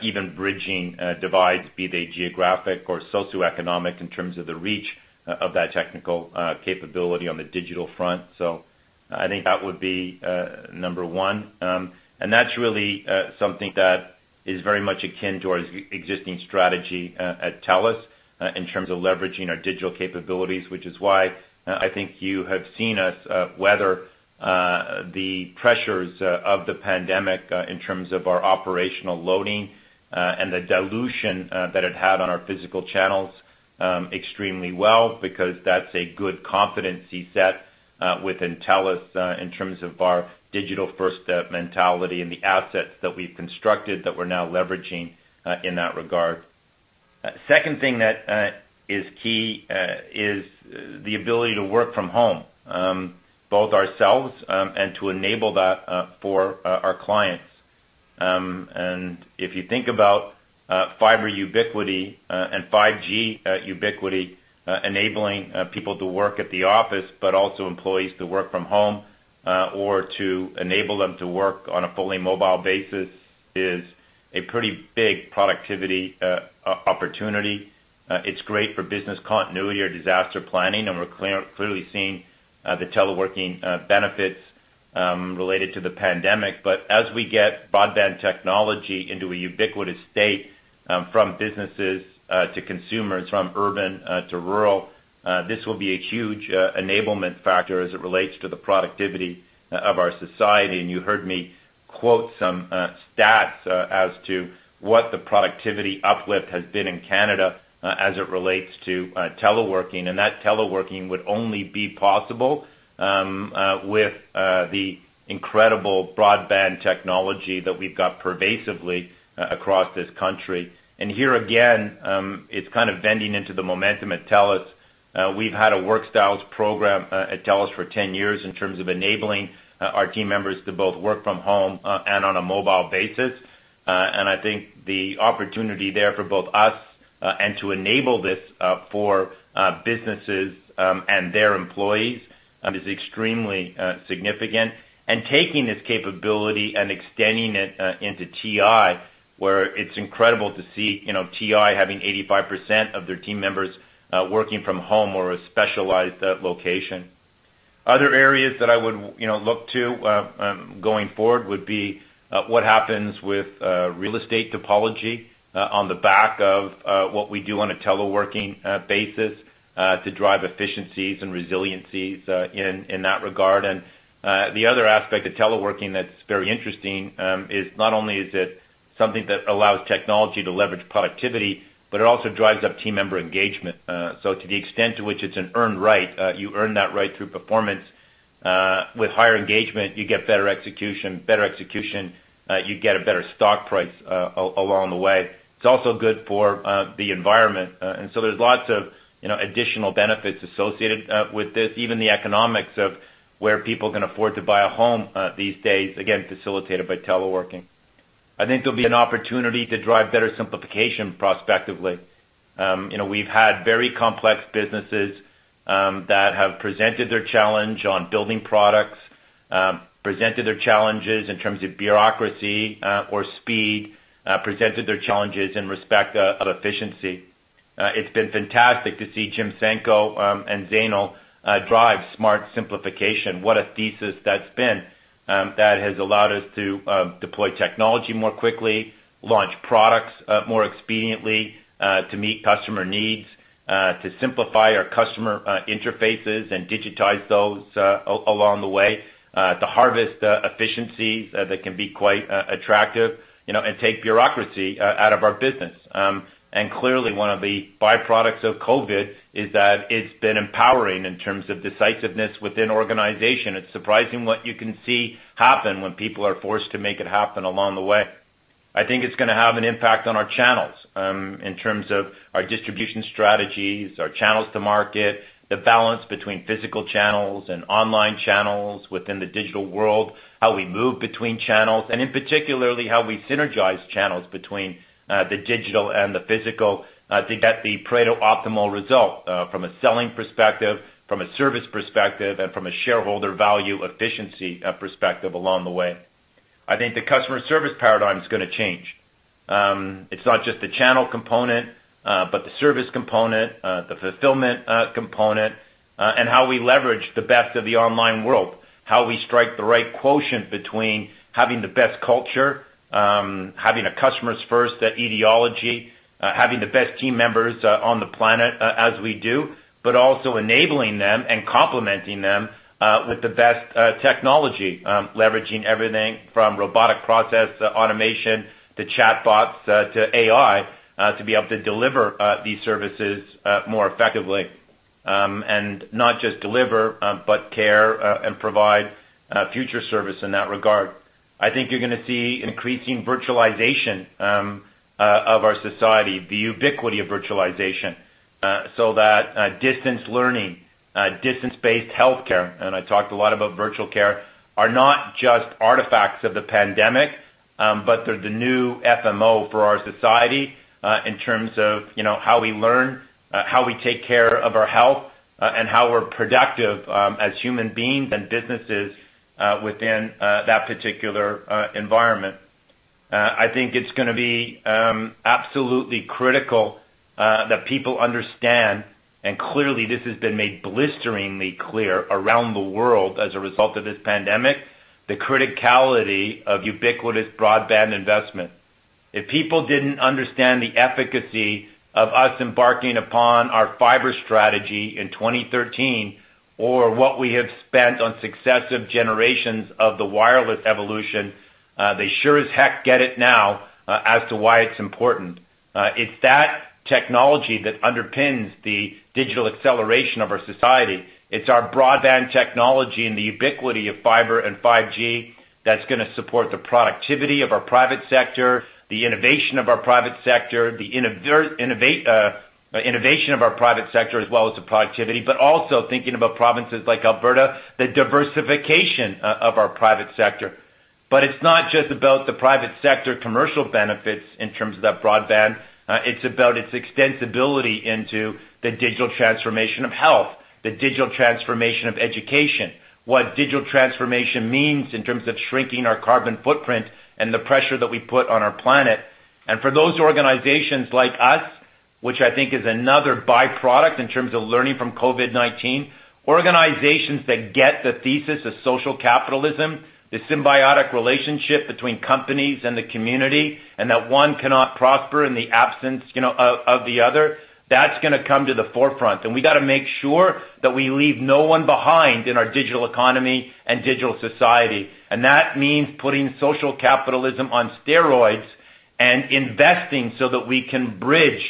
even bridging divides, be they geographic or socioeconomic, in terms of the reach of that technical capability on the digital front. I think that would be number one. That's really something that is very much akin to our existing strategy at TELUS in terms of leveraging our digital capabilities, which is why I think you have seen us weather the pressures of the pandemic in terms of our operational loading and the dilution that it had on our physical channels extremely well, because that's a good competency set within TELUS in terms of our digital-first mentality and the assets that we've constructed that we're now leveraging in that regard. Second thing that is key is the ability to work from home both ourselves and to enable that for our clients. If you think about fiber ubiquity and 5G ubiquity enabling people to work at the office, but also employees to work from home or to enable them to work on a fully mobile basis is a pretty big productivity opportunity. It's great for business continuity or disaster planning, and we're clearly seeing the teleworking benefits related to the pandemic. As we get broadband technology into a ubiquitous state from businesses to consumers, from urban to rural, this will be a huge enablement factor as it relates to the productivity of our society. You heard me quote some stats as to what the productivity uplift has been in Canada as it relates to teleworking. That teleworking would only be possible with the incredible broadband technology that we've got pervasively across this country. Here again, it's kind of vending into the momentum at TELUS. We've had a work styles program at TELUS for 10 years in terms of enabling our team members to both work from home and on a mobile basis. I think the opportunity there for both us and to enable this for businesses and their employees is extremely significant. Taking this capability and extending it into TI, where it's incredible to see TI having 85% of their team members working from home or a specialized location. Other areas that I would look to going forward would be what happens with real estate topology on the back of what we do on a teleworking basis to drive efficiencies and resiliencies in that regard. The other aspect of teleworking that's very interesting is not only is it something that allows technology to leverage productivity, but it also drives up team member engagement. So to the extent to which it's an earned right, you earn that right through performance. With higher engagement, you get better execution. Better execution, you get a better stock price along the way. It's also good for the environment. There's lots of additional benefits associated with this, even the economics of where people can afford to buy a home these days, again, facilitated by teleworking. I think there'll be an opportunity to drive better simplification prospectively. We've had very complex businesses that have presented their challenge on building products, presented their challenges in terms of bureaucracy or speed, presented their challenges in respect of efficiency. It's been fantastic to see Jim Senko and Zainul drive smart simplification. What a thesis that's been. That has allowed us to deploy technology more quickly, launch products more expediently to meet customer needs, to simplify our customer interfaces and digitize those along the way to harvest efficiencies that can be quite attractive and take bureaucracy out of our business. Clearly, one of the byproducts of COVID is that it's been empowering in terms of decisiveness within organization. It's surprising what you can see happen when people are forced to make it happen along the way. I think it's going to have an impact on our channels in terms of our distribution strategies, our channels to market, the balance between physical channels and online channels within the digital world, how we move between channels, and in particularly, how we synergize channels between the digital and the physical to get the Pareto optimal result from a selling perspective, from a service perspective, and from a shareholder value efficiency perspective along the way. I think the customer service paradigm is going to change. It's not just the channel component, but the service component, the fulfillment component and how we leverage the best of the online world. How we strike the right quotient between having the best culture, having a customers first ideology, having the best team members on the planet as we do, but also enabling them and complementing them with the best technology, leveraging everything from robotic process automation to chatbots to AI to be able to deliver these services more effectively. Not just deliver, but care and provide future service in that regard. I think you're going to see increasing virtualization of our society, the ubiquity of virtualization, so that distance learning, distance-based healthcare, and I talked a lot about virtual care, are not just artifacts of the pandemic, but they're the new FMO for our society in terms of how we learn, how we take care of our health, and how we're productive as human beings and businesses within that particular environment. I think it's going to be absolutely critical that people understand, and clearly this has been made blisteringly clear around the world as a result of this pandemic, the criticality of ubiquitous broadband investment. If people didn't understand the efficacy of us embarking upon our fiber strategy in 2013, or what we have spent on successive generations of the wireless evolution, they sure as heck get it now as to why it's important. It's that technology that underpins the digital acceleration of our society. It's our broadband technology and the ubiquity of fiber and 5G that's going to support the productivity of our private sector, the innovation of our private sector, as well as the productivity. Also thinking about provinces like Alberta, the diversification of our private sector. It's not just about the private sector commercial benefits in terms of that broadband. It's about its extensibility into the digital transformation of health, the digital transformation of education, what digital transformation means in terms of shrinking our carbon footprint and the pressure that we put on our planet. For those organizations like us, which I think is another byproduct in terms of learning from COVID-19, organizations that get the thesis of social capitalism, the symbiotic relationship between companies and the community, and that one cannot prosper in the absence of the other, that's going to come to the forefront. We got to make sure that we leave no one behind in our digital economy and digital society. That means putting social capitalism on steroids and investing so that we can bridge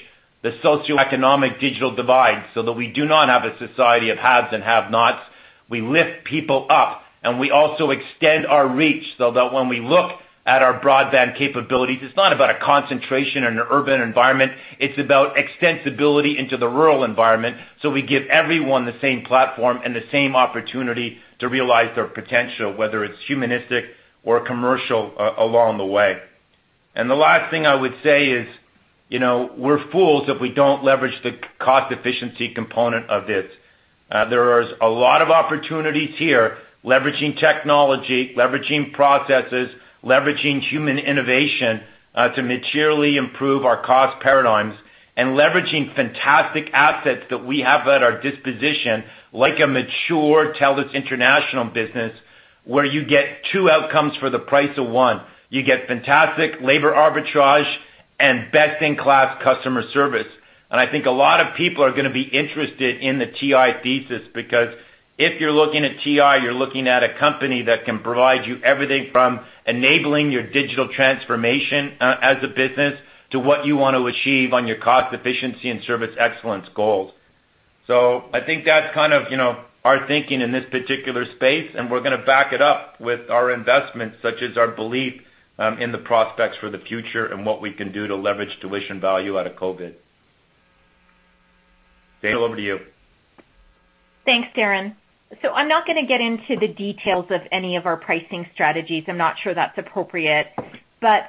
the socioeconomic digital divide so that we do not have a society of haves and have-nots. We lift people up, and we also extend our reach so that when we look at our broadband capabilities, it's not about a concentration in an urban environment. It's about extensibility into the rural environment, so we give everyone the same platform and the same opportunity to realize their potential, whether it's humanistic or commercial along the way. The last thing I would say is, we're fools if we don't leverage the cost efficiency component of this. There is a lot of opportunities here, leveraging technology, leveraging processes, leveraging human innovation to materially improve our cost paradigms, and leveraging fantastic assets that we have at our disposition, like a mature TELUS International business, where you get two outcomes for the price of one. You get fantastic labor arbitrage and best-in-class customer service. I think a lot of people are going to be interested in the TI thesis, because if you're looking at TI, you're looking at a company that can provide you everything from enabling your digital transformation as a business to what you want to achieve on your cost efficiency and service excellence goals. I think that's our thinking in this particular space, and we're going to back it up with our investments such as our belief in the prospects for the future and what we can do to leverage tuition value out of COVID. Zainul, over to you. Thanks, Darren. I'm not going to get into the details of any of our pricing strategies. I'm not sure that's appropriate.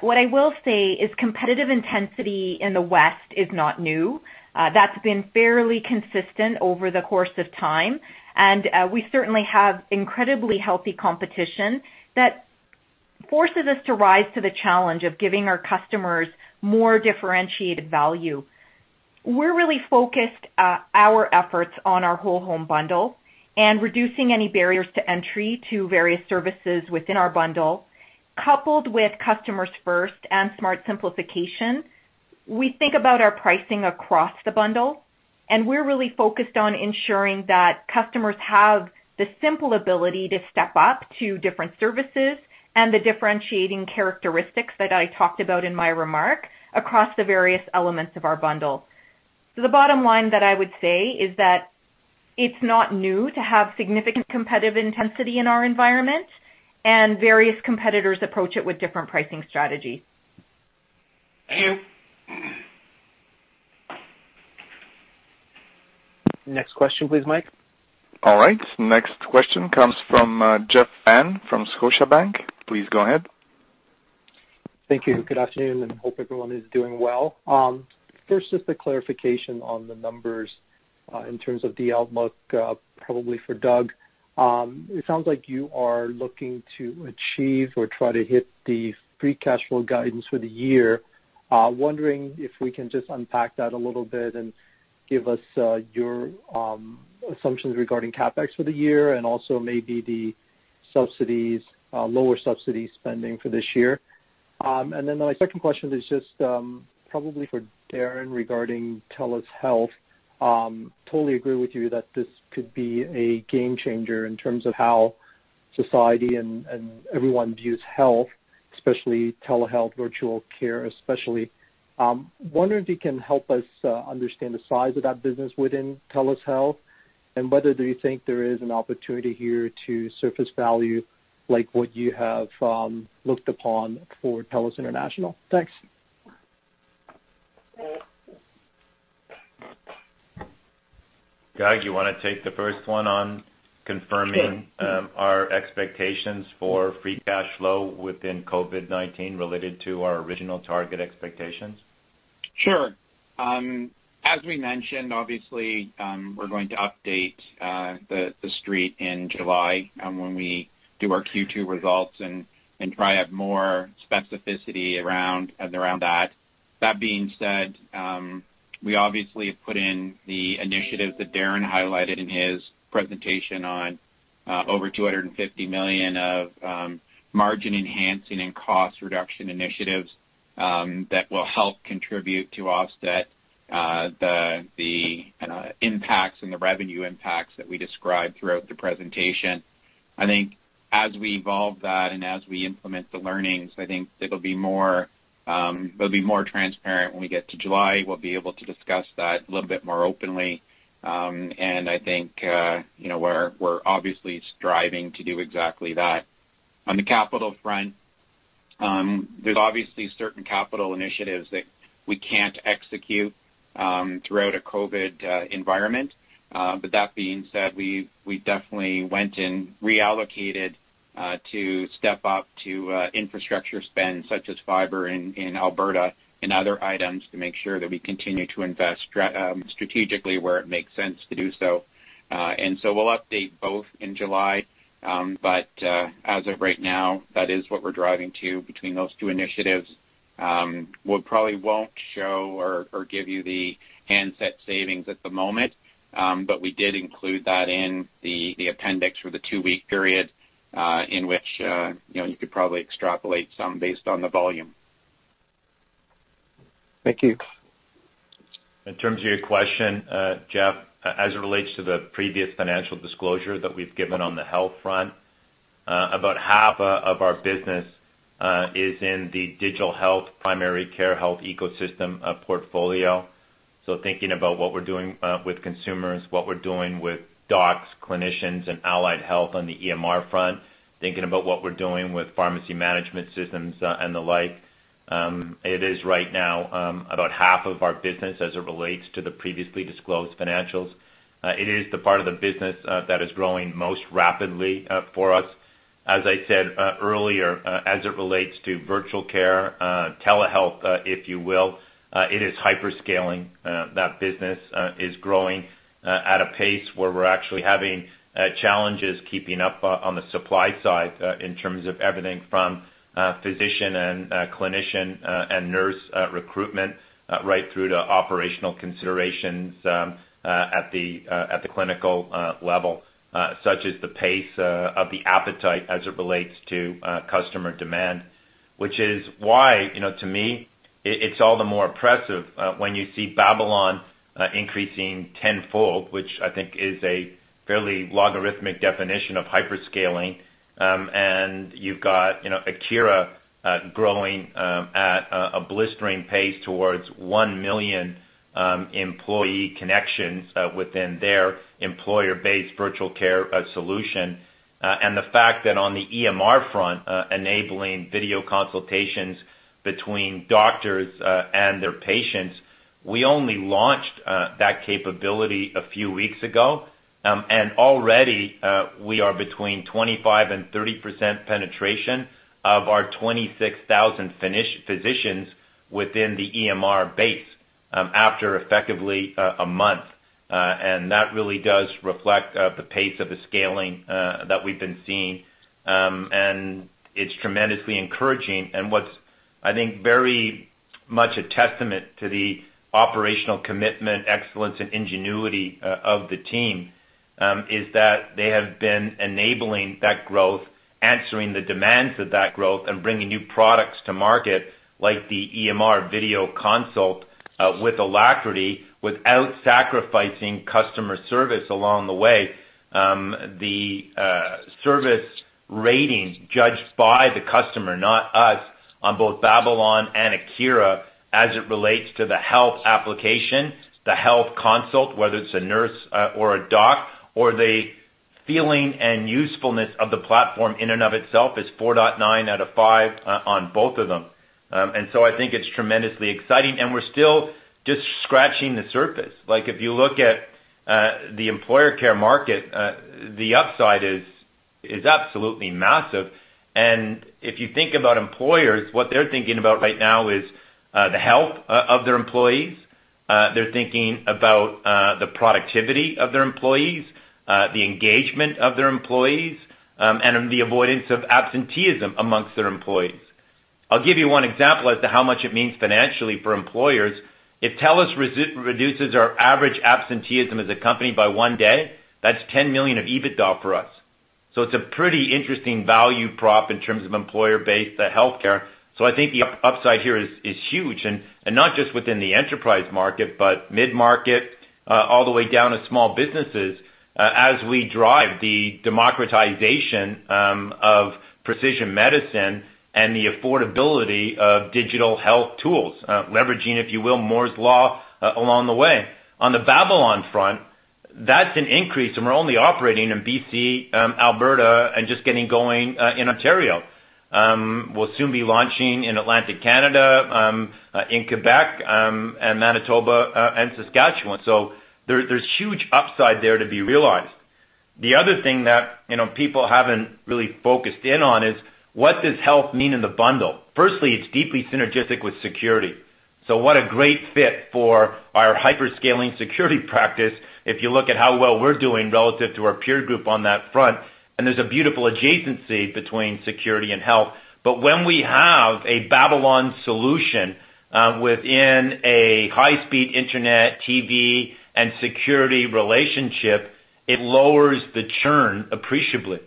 What I will say is competitive intensity in the West is not new. That's been fairly consistent over the course of time, and we certainly have incredibly healthy competition that forces us to rise to the challenge of giving our customers more differentiated value. We're really focused our efforts on our whole home bundle and reducing any barriers to entry to various services within our bundle. Coupled with Customers First and Smart Simplification, we think about our pricing across the bundle, and we're really focused on ensuring that customers have the simple ability to step up to different services and the differentiating characteristics that I talked about in my remark across the various elements of our bundle. The bottom line that I would say is that it's not new to have significant competitive intensity in our environment, and various competitors approach it with different pricing strategies. Thank you. Next question, please, Mike. All right. Next question comes from Jeff Fan from Scotiabank. Please go ahead. Thank you. Good afternoon. Hope everyone is doing well. First, just a clarification on the numbers in terms of the outlook, probably for Doug. It sounds like you are looking to achieve or try to hit the free cash flow guidance for the year. Wondering if we can just unpack that a little bit and give us your assumptions regarding CapEx for the year and also maybe the lower subsidy spending for this year. My second question is just probably for Darren regarding TELUS Health. Totally agree with you that this could be a game changer in terms of how society and everyone views health, especially telehealth virtual care. Wondering if you can help us understand the size of that business within TELUS Health, and whether do you think there is an opportunity here to surface value, like what you have looked upon for TELUS International? Thanks. Doug, do you want to take the first one on confirming. our expectations for free cash flow within COVID-19 related to our original target expectations? Sure. As we mentioned, obviously, we're going to update the Street in July when we do our Q2 results and try to have more specificity around that. That being said, we obviously have put in the initiatives that Darren highlighted in his presentation on over 250 million of margin-enhancing and cost reduction initiatives that will help contribute to offset the impacts and the revenue impacts that we described throughout the presentation. I think as we evolve that and as we implement the learnings, I think it'll be more transparent when we get to July. We'll be able to discuss that a little bit more openly. I think, we're obviously striving to do exactly that. On the capital front, there's obviously certain capital initiatives that we can't execute throughout a COVID environment. That being said, we definitely went and reallocated to step up to infrastructure spend, such as fiber in Alberta and other items to make sure that we continue to invest strategically where it makes sense to do so. We'll update both in July. As of right now, that is what we're driving to between those two initiatives. We probably won't show or give you the handset savings at the moment. We did include that in the appendix for the two-week period, in which you could probably extrapolate some based on the volume. Thank you. In terms of your question, Jeff, as it relates to the previous financial disclosure that we've given on the health front, about half of our business is in the digital health, primary care health ecosystem portfolio. Thinking about what we're doing with consumers, what we're doing with docs, clinicians, and allied health on the EMR front, thinking about what we're doing with pharmacy management systems and the like. It is right now, about half of our business as it relates to the previously disclosed financials. It is the part of the business that is growing most rapidly for us. As I said earlier, as it relates to virtual care, telehealth, if you will, it is hyper-scaling. That business is growing at a pace where we're actually having challenges keeping up on the supply side in terms of everything from physician and clinician and nurse recruitment right through to operational considerations at the clinical level such as the pace of the appetite as it relates to customer demand. To me, it's all the more impressive when you see Babylon increasing tenfold, which I think is a fairly logarithmic definition of hyper-scaling. You've got Akira growing at a blistering pace towards one million employee connections within their employer-based virtual care solution. The fact that on the EMR front, enabling video consultations between doctors and their patients, we only launched that capability a few weeks ago. Already, we are between 25% to 30% penetration of our 26,000 physicians within the EMR base after effectively a month. That really does reflect the pace of the scaling that we've been seeing. It's tremendously encouraging. What's, I think, very much a testament to the operational commitment, excellence, and ingenuity of the team is that they have been enabling that growth, answering the demands of that growth, and bringing new products to market like the EMR video consult with alacrity without sacrificing customer service along the way. The service ratings judged by the customer, not us, on both Babylon and Akira, as it relates to the health application, the health consult, whether it's a nurse or a doc or the feeling and usefulness of the platform in and of itself is four dot nine out of five on both of them. I think it's tremendously exciting, and we're still just scratching the surface. If you look at the employer care market, the upside is absolutely massive. If you think about employers, what they're thinking about right now is the health of their employees. They're thinking about the productivity of their employees, the engagement of their employees, and the avoidance of absenteeism amongst their employees. I'll give you one example as to how much it means financially for employers. If TELUS reduces our average absenteeism as a company by one day, that's 10 million of EBITDA for us. It's a pretty interesting value prop in terms of employer-based healthcare. I think the upside here is huge, and not just within the enterprise market, but mid-market, all the way down to small businesses, as we drive the democratization of precision medicine and the affordability of digital health tools, leveraging, if you will, Moore's law along the way. On the Babylon front, that's an increase, and we're only operating in BC, Alberta, and just getting going in Ontario. We'll soon be launching in Atlantic Canada, in Quebec, and Manitoba, and Saskatchewan. There's huge upside there to be realized. The other thing that people haven't really focused in on is what does health mean in the bundle? Firstly, it's deeply synergistic with security. What a great fit for our hyperscaling security practice if you look at how well we're doing relative to our peer group on that front, and there's a beautiful adjacency between security and health. When we have a Babylon solution within a high-speed internet, TV, and security relationship, it lowers the churn appreciably.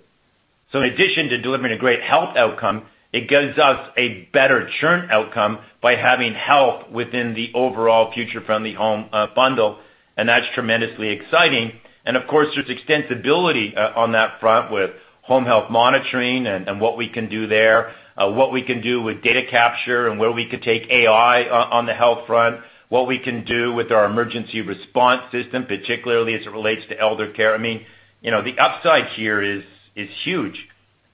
In addition to delivering a great health outcome, it gives us a better churn outcome by having health within the overall future-friendly home bundle, and that's tremendously exciting. Of course, there's extensibility on that front with home health monitoring and what we can do there, what we can do with data capture and where we could take AI on the health front, what we can do with our emergency response system, particularly as it relates to elder care. The upside here is huge.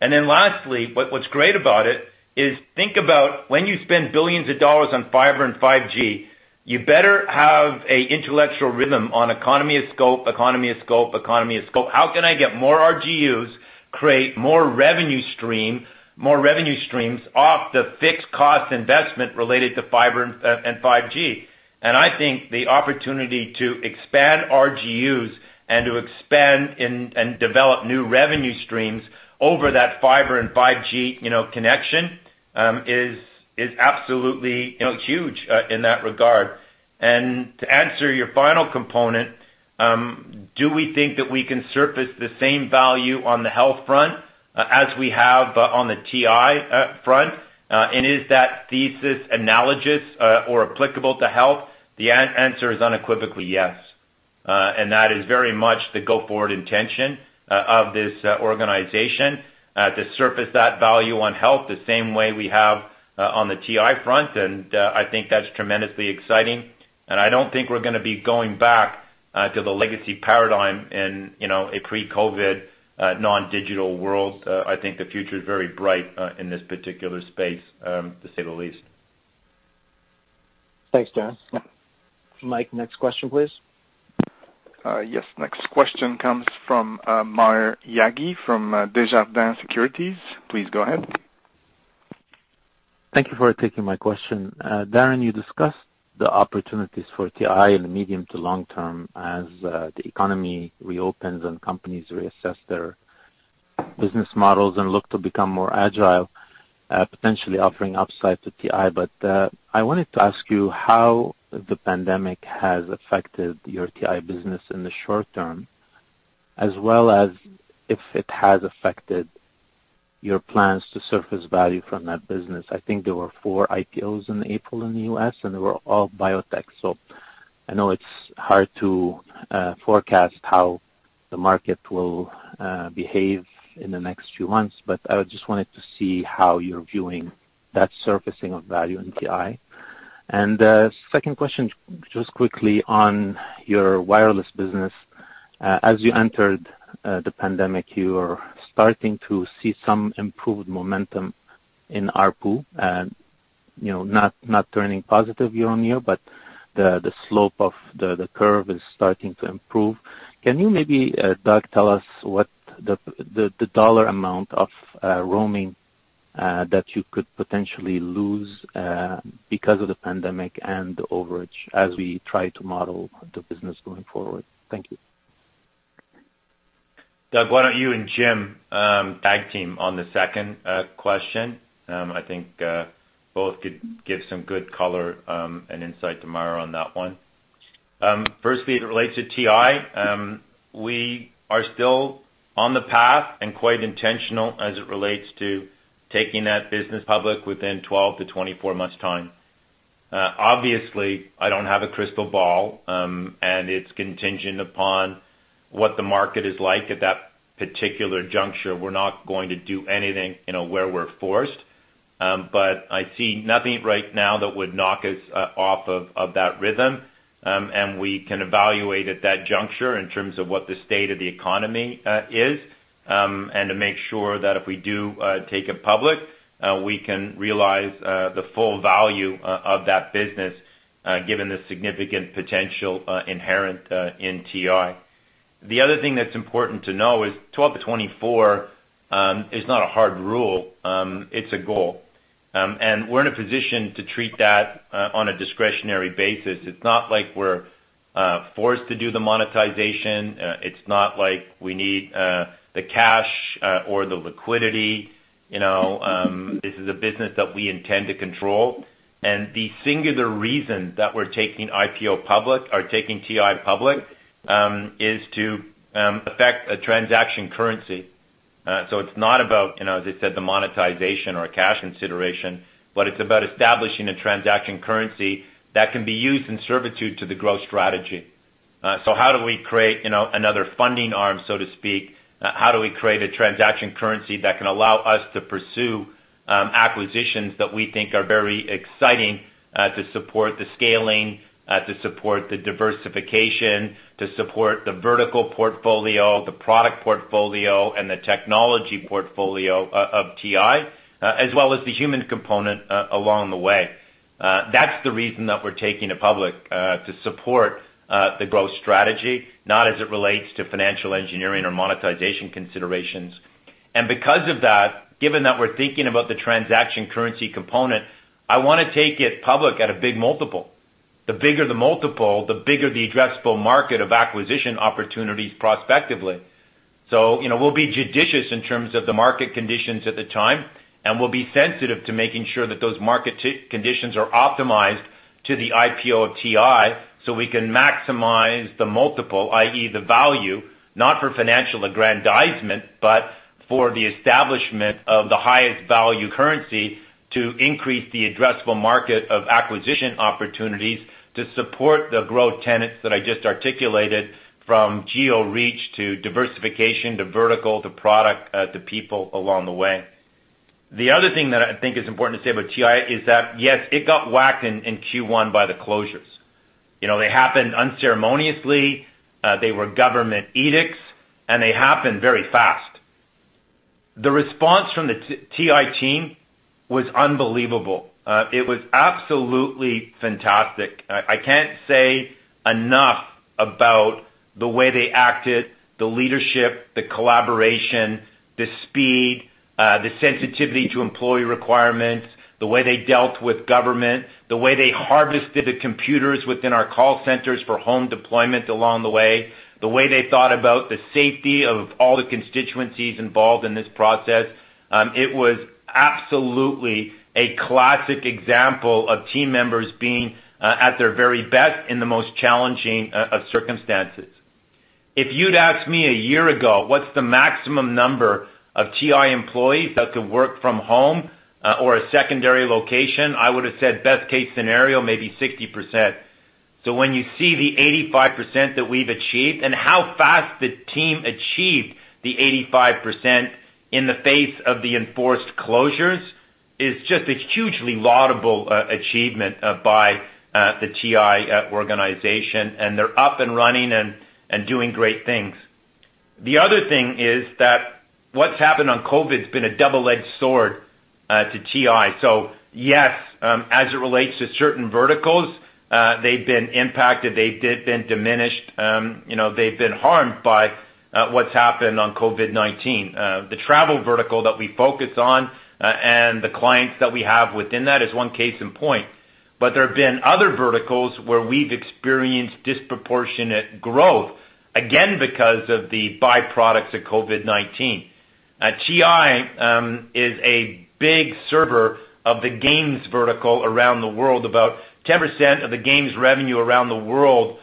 Lastly, what's great about it is think about when you spend billions of dollars on fiber and 5G, you better have an intellectual rhythm on economy of scope, economy of scope, economy of scope. How can I get more RGUs, create more revenue streams off the fixed cost investment related to fiber and 5G? I think the opportunity to expand RGUs and to expand and develop new revenue streams over that fiber and 5G connection is absolutely huge in that regard. To answer your final component, do we think that we can surface the same value on the Health front as we have on the TI front? Is that thesis analogous or applicable to Health? The answer is unequivocally yes. That is very much the go-forward intention of this organization, to surface that value on Health the same way we have on the TI front. I think that's tremendously exciting, and I don't think we're going to be going back to the legacy paradigm in a pre-COVID-19, non-digital world. I think the future is very bright in this particular space, to say the least. Thanks, Darren. Yeah. Mike, next question, please. Yes. Next question comes from Maher Yaghi from Desjardins Securities. Please go ahead. Thank you for taking my question. Darren, you discussed the opportunities for TI in the medium to long term as the economy reopens and companies reassess their business models and look to become more agile, potentially offering upside to TI. I wanted to ask you how the pandemic has affected your TI business in the short term, as well as if it has affected your plans to surface value from that business. I think there were four IPOs in April in the U.S., and they were all biotech. So I know it is hard to forecast how the market will behave in the next few months, but I just wanted to see how you are viewing that surfacing of value in TI. Second question, just quickly on your wireless business. As you entered the pandemic, you were starting to see some improved momentum in ARPU and not turning positive year-over-year, but the slope of the curve is starting to improve. Can you maybe, Doug, tell us what the dollar amount of roaming that you could potentially lose because of the pandemic and the overage as we try to model the business going forward? Thank you. Doug, why don't you and Jim tag team on the second question? I think both could give some good color and insight to Maher on that one. Firstly, as it relates to TI, we are still on the path and quite intentional as it relates to taking that business public within 12 to 24 months' time. Obviously, I don't have a crystal ball, and it's contingent upon what the market is like at that particular juncture. We're not going to do anything where we're forced. I see nothing right now that would knock us off of that rhythm. We can evaluate at that juncture in terms of what the state of the economy is, and to make sure that if we do take it public, we can realize the full value of that business given the significant potential inherent in TI. The other thing that's important to know is 12 to 24 is not a hard rule, it's a goal. We're in a position to treat that on a discretionary basis. It's not like we're forced to do the monetization. It's not like we need the cash or the liquidity. This is a business that we intend to control. The singular reason that we're taking IPO public or taking TI public is to affect a transaction currency. It's not about, as I said, the monetization or cash consideration, but it's about establishing a transaction currency that can be used in servitude to the growth strategy. How do we create another funding arm, so to speak? How do we create a transaction currency that can allow us to pursue acquisitions that we think are very exciting to support the scaling, to support the diversification, to support the vertical portfolio, the product portfolio, and the technology portfolio of TI, as well as the human component along the way? That's the reason that we're taking it public to support the growth strategy, not as it relates to financial engineering or monetization considerations. Because of that, given that we're thinking about the transaction currency component, I want to take it public at a big multiple. The bigger the multiple, the bigger the addressable market of acquisition opportunities prospectively. We'll be judicious in terms of the market conditions at the time, and we'll be sensitive to making sure that those market conditions are optimized to the IPO of TI, so we can maximize the multiple. the value, not for financial aggrandizement, but for the establishment of the highest value currency to increase the addressable market of acquisition opportunities to support the growth tenets that I just articulated from geo-reach to diversification to vertical to product to people along the way. Other thing that I think is important to say about TI is that, yes, it got whacked in Q1 by the closures. They happened unceremoniously, they were government edicts, they happened very fast. Response from the TI team was unbelievable. It was absolutely fantastic. I can't say enough about the way they acted, the leadership, the collaboration, the speed, the sensitivity to employee requirements, the way they dealt with government, the way they harvested the computers within our call centers for home deployment along the way, the way they thought about the safety of all the constituencies involved in this process. It was absolutely a classic example of team members being at their very best in the most challenging of circumstances. If you'd asked me a year ago, what's the maximum number of TI employees that could work from home or a secondary location, I would have said best case scenario, maybe 60%. When you see the 85% that we've achieved and how fast the team achieved the 85% in the face of the enforced closures, is just a hugely laudable achievement by the TI organization. They're up and running and doing great things. The other thing is that what's happened on COVID's been a double-edged sword to TI. Yes, as it relates to certain verticals, they've been impacted, they've been diminished, they've been harmed by what's happened on COVID-19. The travel vertical that we focus on and the clients that we have within that is one case in point. There have been other verticals where we've experienced disproportionate growth, again, because of the byproducts of COVID-19. TI is a big server of the games vertical around the world. About 10% of the games revenue around the world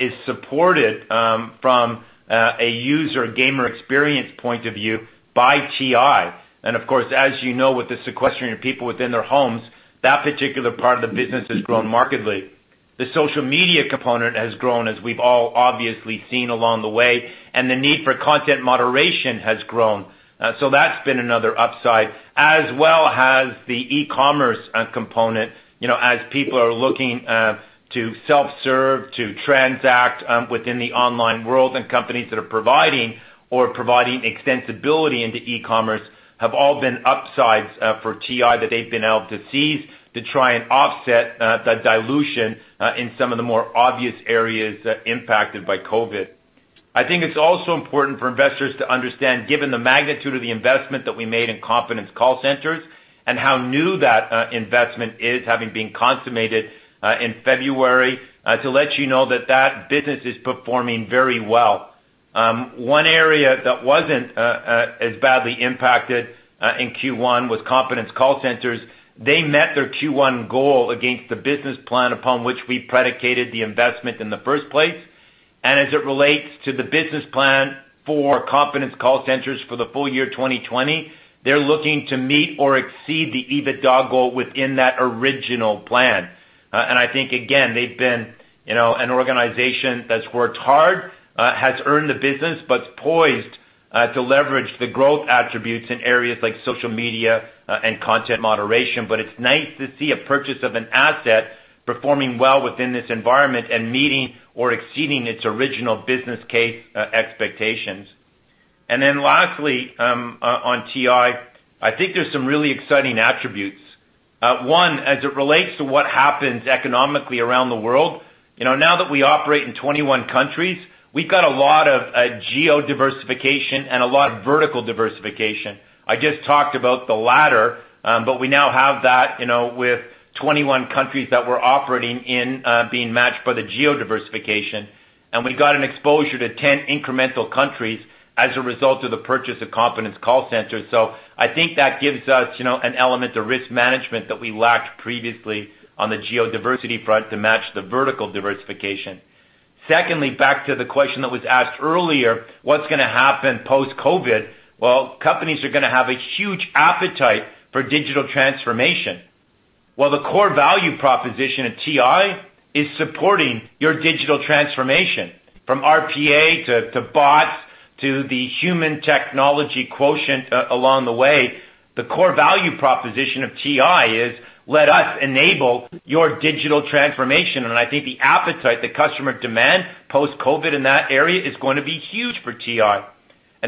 is supported from a user gamer experience point of view by TI. Of course, as you know, with the sequestering of people within their homes, that particular part of the business has grown markedly. The social media component has grown, as we've all obviously seen along the way, and the need for content moderation has grown. That's been another upside, as well has the e-commerce component as people are looking to self-serve, to transact within the online world, and companies that are providing or providing extensibility into e-commerce have all been upsides for TI that they've been able to seize to try and offset the dilution in some of the more obvious areas impacted by COVID-19. I think it's also important for investors to understand, given the magnitude of the investment that we made in Competence Call Center and how new that investment is, having been consummated in February, to let you know that that business is performing very well. One area that wasn't as badly impacted in Q1 was Competence Call Center. They met their Q1 goal against the business plan upon which we predicated the investment in the first place. As it relates to the business plan for Competence Call Center for the full year 2020, they're looking to meet or exceed the EBITDA goal within that original plan. I think, again, they've been an organization that's worked hard, has earned the business, but poised to leverage the growth attributes in areas like social media and content moderation. It's nice to see a purchase of an asset performing well within this environment and meeting or exceeding its original business case expectations. Lastly on TI, I think there's some really exciting attributes. One, as it relates to what happens economically around the world, now that we operate in 21 countries, we've got a lot of geo-diversification and a lot of vertical diversification. I just talked about the latter, but we now have that with 21 countries that we're operating in being matched by the geo-diversification. We got an exposure to 10 incremental countries as a result of the purchase of Competence Call Center. I think that gives us an element of risk management that we lacked previously on the geo-diversity front to match the vertical diversification. Secondly, back to the question that was asked earlier, what's going to happen post-COVID-19? Well, companies are going to have a huge appetite for digital transformation. Well, the core value proposition of TI is supporting your digital transformation, from RPA to bots to the human technology quotient along the way. The core value proposition of TI is let us enable your digital transformation. I think the appetite, the customer demand post-COVID-19 in that area is going to be huge for TI.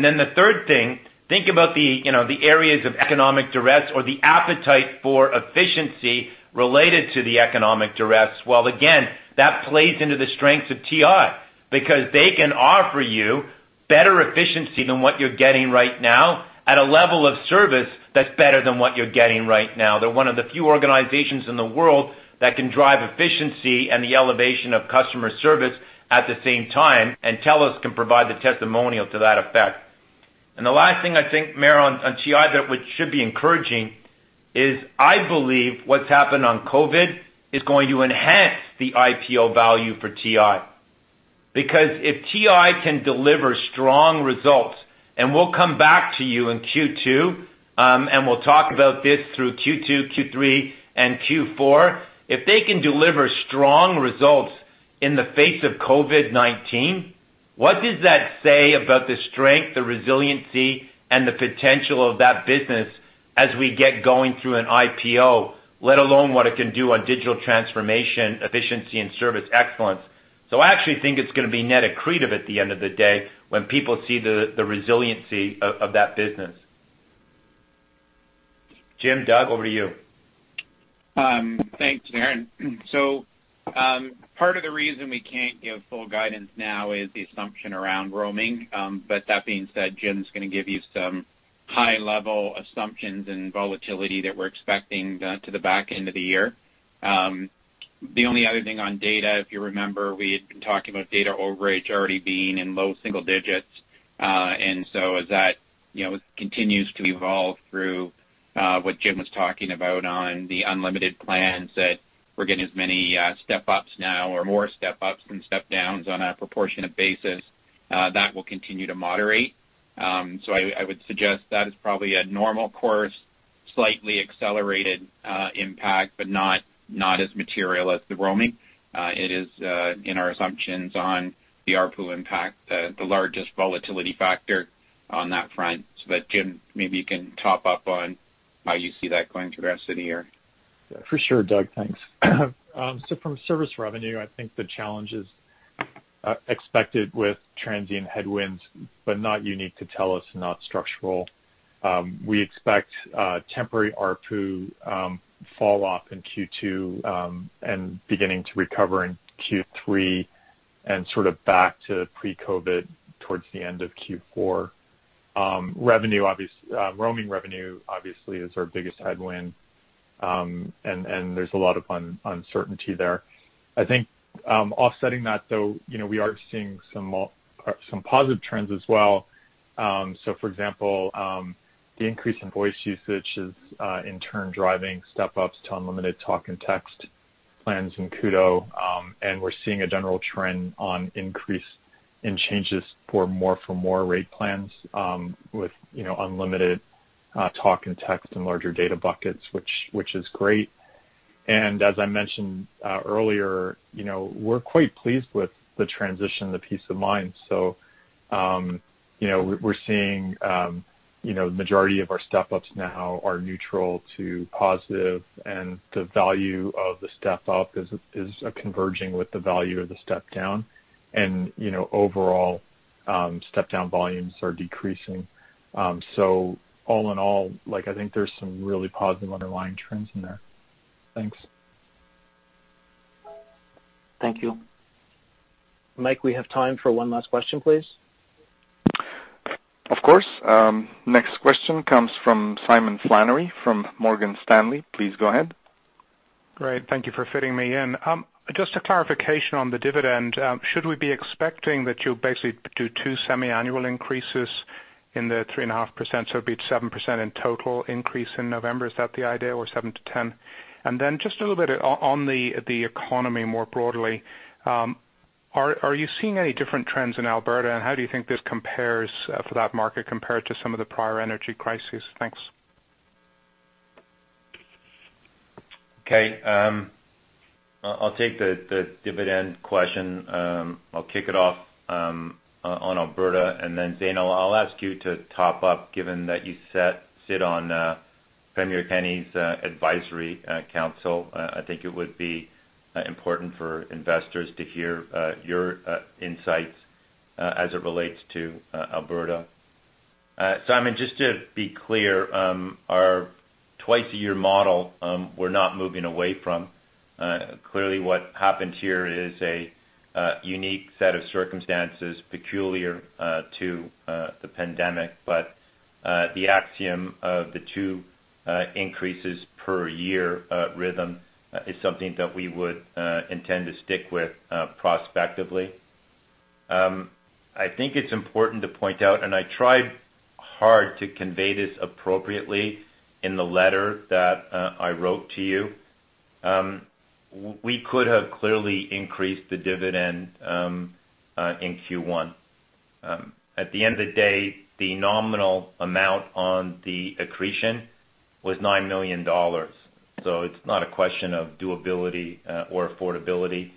Then the third thing, think about the areas of economic duress or the appetite for efficiency related to the economic duress. Well, again, that plays into the strengths of TI because they can offer you better efficiency than what you're getting right now at a level of service that's better than what you're getting right now. They're one of the few organizations in the world that can drive efficiency and the elevation of customer service at the same time, and TELUS can provide the testimonial to that effect. The last thing I think, Maher Yaghi, on TI that should be encouraging is I believe what's happened on COVID-19 is going to enhance the IPO value for TI. Because if TI can deliver strong results, and we'll come back to you in Q2, and we'll talk about this through Q2, Q3, and Q4. If they can deliver strong results in the face of COVID-19, what does that say about the strength, the resiliency, and the potential of that business as we get going through an IPO, let alone what it can do on digital transformation, efficiency, and service excellence? I actually think it's going to be net accretive at the end of the day when people see the resiliency of that business. Jim, Doug, over to you. Thanks, Darren. Part of the reason we can't give full guidance now is the assumption around roaming. That being said, Jim's going to give you some high-level assumptions and volatility that we're expecting to the back end of the year. The only other thing on data, if you remember, we had been talking about data overage already being in low single digits. As that continues to evolve through what Jim was talking about on the unlimited plans, that we're getting as many step-ups now or more step-ups than step-downs on a proportionate basis, that will continue to moderate. I would suggest that is probably a normal course, slightly accelerated impact, but not as material as the roaming. It is in our assumptions on the ARPU impact, the largest volatility factor on that front. Jim, maybe you can top up on how you see that going through the rest of the year. For sure, Doug. Thanks. From service revenue, I think the challenge is expected with transient headwinds, but not unique to TELUS, not structural. We expect temporary ARPU fall off in Q2 and beginning to recover in Q3 and sort of back to pre-COVID towards the end of Q4. Roaming revenue obviously is our biggest headwind, and there's a lot of uncertainty there. I think offsetting that, though, we are seeing some positive trends as well. For example, the increase in voice usage is in turn driving step-ups to unlimited talk and text plans in Koodo. We're seeing a general trend on increase in changes for more rate plans with unlimited talk and text and larger data buckets, which is great. As I mentioned earlier, we're quite pleased with the transition to Peace of Mind. We're seeing the majority of our step-ups now are neutral to positive, and the value of the step-up is converging with the value of the step-down. Overall, step-down volumes are decreasing. All in all, I think there's some really positive underlying trends in there. Thanks. Thank you. Mike, we have time for one last question, please. Of course. Next question comes from Simon Flannery from Morgan Stanley. Please go ahead. Great. Thank you for fitting me in. Just a clarification on the dividend. Should we be expecting that you'll basically do two semi-annual increases in the three and a half percent, so it'll be seven percent in total increase in November? Is that the idea, or seven to ten? Then just a little bit on the economy more broadly. Are you seeing any different trends in Alberta, and how do you think this compares for that market compared to some of the prior energy crises? Thanks. Okay. I'll take the dividend question. I'll kick it off on Alberta. Zainul, I'll ask you to top up, given that you sit on Premier Kenney's advisory council. I think it would be important for investors to hear your insights as it relates to Alberta. Simon, just to be clear, our twice-a-year model, we're not moving away from. What happened here is a unique set of circumstances peculiar to the pandemic. The axiom of the two increases per year rhythm is something that we would intend to stick with prospectively. I think it's important to point out, and I tried hard to convey this appropriately in the letter that I wrote to you. We could have clearly increased the dividend in Q1. At the end of the day, the nominal amount on the accretion was 9 million dollars. It's not a question of doability or affordability.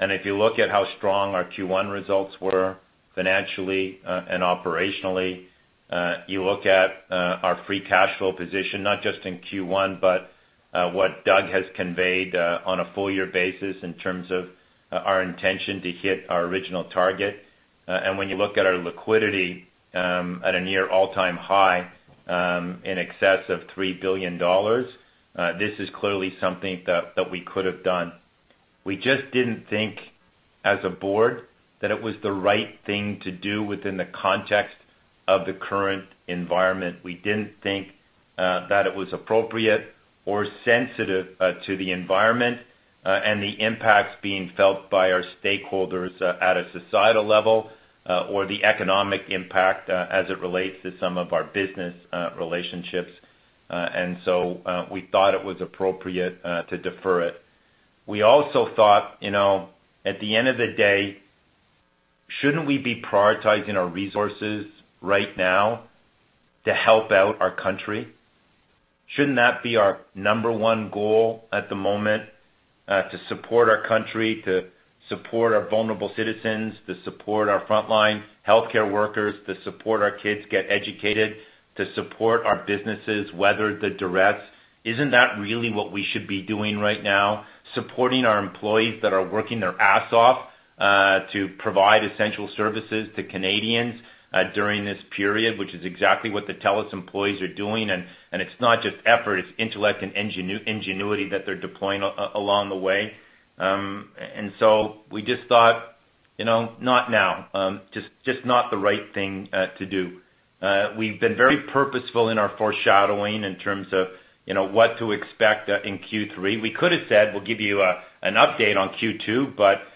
If you look at how strong our Q1 results were financially and operationally, you look at our free cash flow position, not just in Q1, but what Doug has conveyed on a full year basis in terms of our intention to hit our original target. When you look at our liquidity at a near all-time high, in excess of 3 billion dollars, this is clearly something that we could have done. We just didn't think as a board that it was the right thing to do within the context of the current environment. We didn't think that it was appropriate or sensitive to the environment and the impacts being felt by our stakeholders at a societal level or the economic impact as it relates to some of our business relationships. We thought it was appropriate to defer it. We also thought, at the end of the day, shouldn't we be prioritizing our resources right now to help out our country? Shouldn't that be our number one goal at the moment? To support our country, to support our vulnerable citizens, to support our frontline healthcare workers, to support our kids get educated, to support our businesses weather the duress. Isn't that really what we should be doing right now, supporting our employees that are working their ass off to provide essential services to Canadians during this period, which is exactly what the TELUS employees are doing. It's not just effort, it's intellect and ingenuity that they're deploying along the way. We just thought not now. Just not the right thing to do. We've been very purposeful in our foreshadowing in terms of what to expect in Q3.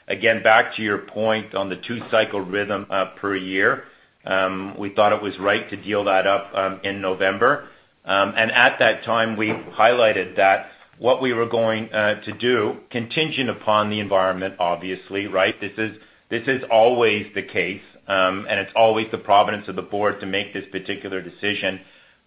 Again, back to your point on the two-cycle rhythm per year. We thought it was right to deal that up in November. At that time, we highlighted that what we were going to do, contingent upon the environment, obviously, right? This is always the case. It's always the providence of the Board to make this particular decision,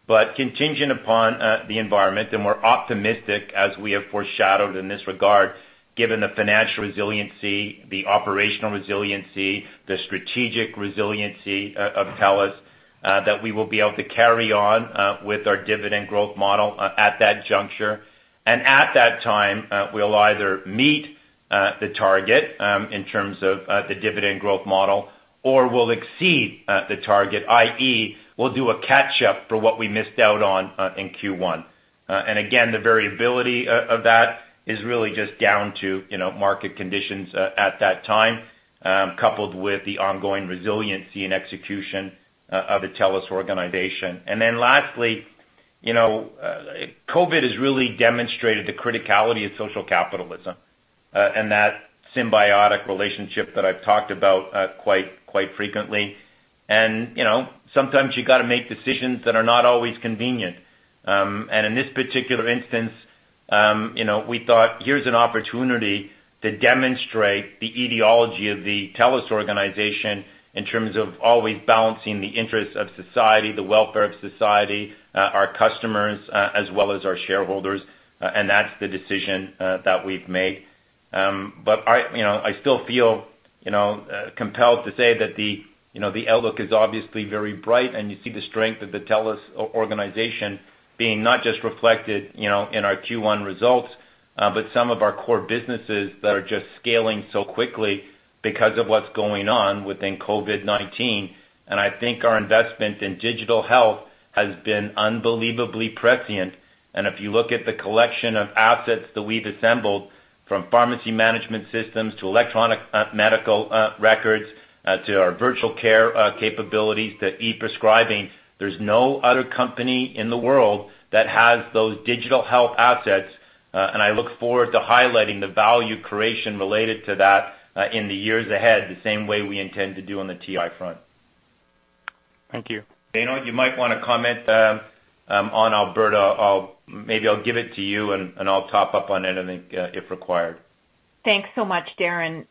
contingent upon the environment. We're optimistic as we have foreshadowed in this regard, given the financial resiliency, the operational resiliency, the strategic resiliency of TELUS that we will be able to carry on with our dividend growth model at that juncture. At that time, we'll either meet the target in terms of the dividend growth model or we'll exceed the target, i.e., we'll do a catch-up for what we missed out on in Q1. Again, the variability of that is really just down to market conditions at that time, coupled with the ongoing resiliency and execution of the TELUS organization. Lastly, COVID has really demonstrated the criticality of social capitalism, and that symbiotic relationship that I've talked about quite frequently. Sometimes you got to make decisions that are not always convenient. In this particular instance we thought here's an opportunity to demonstrate the ideology of the TELUS organization in terms of always balancing the interests of society, the welfare of society, our customers, as well as our shareholders, and that's the decision that we've made. I still feel compelled to say that the outlook is obviously very bright, and you see the strength of the TELUS organization being not just reflected in our Q1 results, but some of our core businesses that are just scaling so quickly because of what's going on within COVID-19. I think our investment in digital health has been unbelievably prescient. If you look at the collection of assets that we've assembled from pharmacy management systems to electronic medical records to our virtual care capabilities to e-prescribing, there's no other company in the world that has those digital health assets. I look forward to highlighting the value creation related to that in the years ahead, the same way we intend to do on the TI front. Thank you. Zainul, you might want to comment on Alberta. Maybe I'll give it to you, and I'll top up on it, I think, if required. Thanks so much, Darren.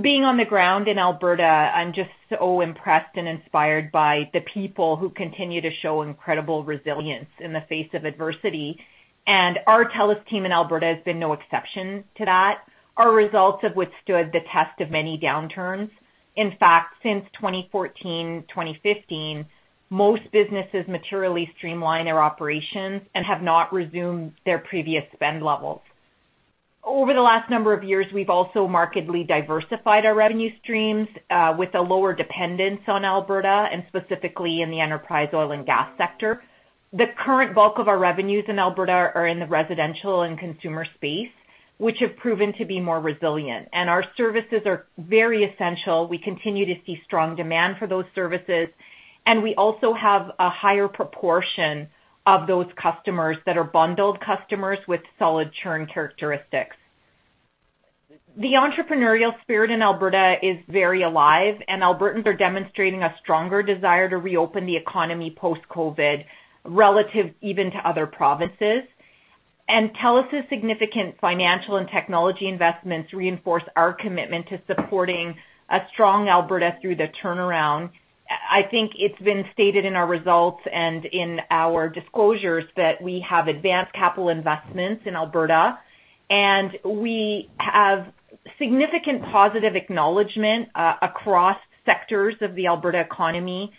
Being on the ground in Alberta, I'm just so impressed and inspired by the people who continue to show incredible resilience in the face of adversity. Our TELUS team in Alberta has been no exception to that. Our results have withstood the test of many downturns. In fact, since 2014, 2015, most businesses materially streamlined their operations and have not resumed their previous spend levels. Over the last number of years, we've also markedly diversified our revenue streams with a lower dependence on Alberta and specifically in the enterprise oil and gas sector. The current bulk of our revenues in Alberta are in the residential and consumer space, which have proven to be more resilient. Our services are very essential. We continue to see strong demand for those services. And we also have a higher proportion of those customers that are bundled customers with solid churn characteristics. The entrepreneurial spirit in Alberta is very alive, and Albertans are demonstrating a stronger desire to reopen the economy post-COVID-19 relative even to other provinces. TELUS's significant financial and technology investments reinforce our commitment to supporting a strong Alberta through the turnaround. I think it's been stated in our results and in our disclosures that we have advanced capital investments in Alberta, and we have significant positive acknowledgment across sectors of the Alberta economy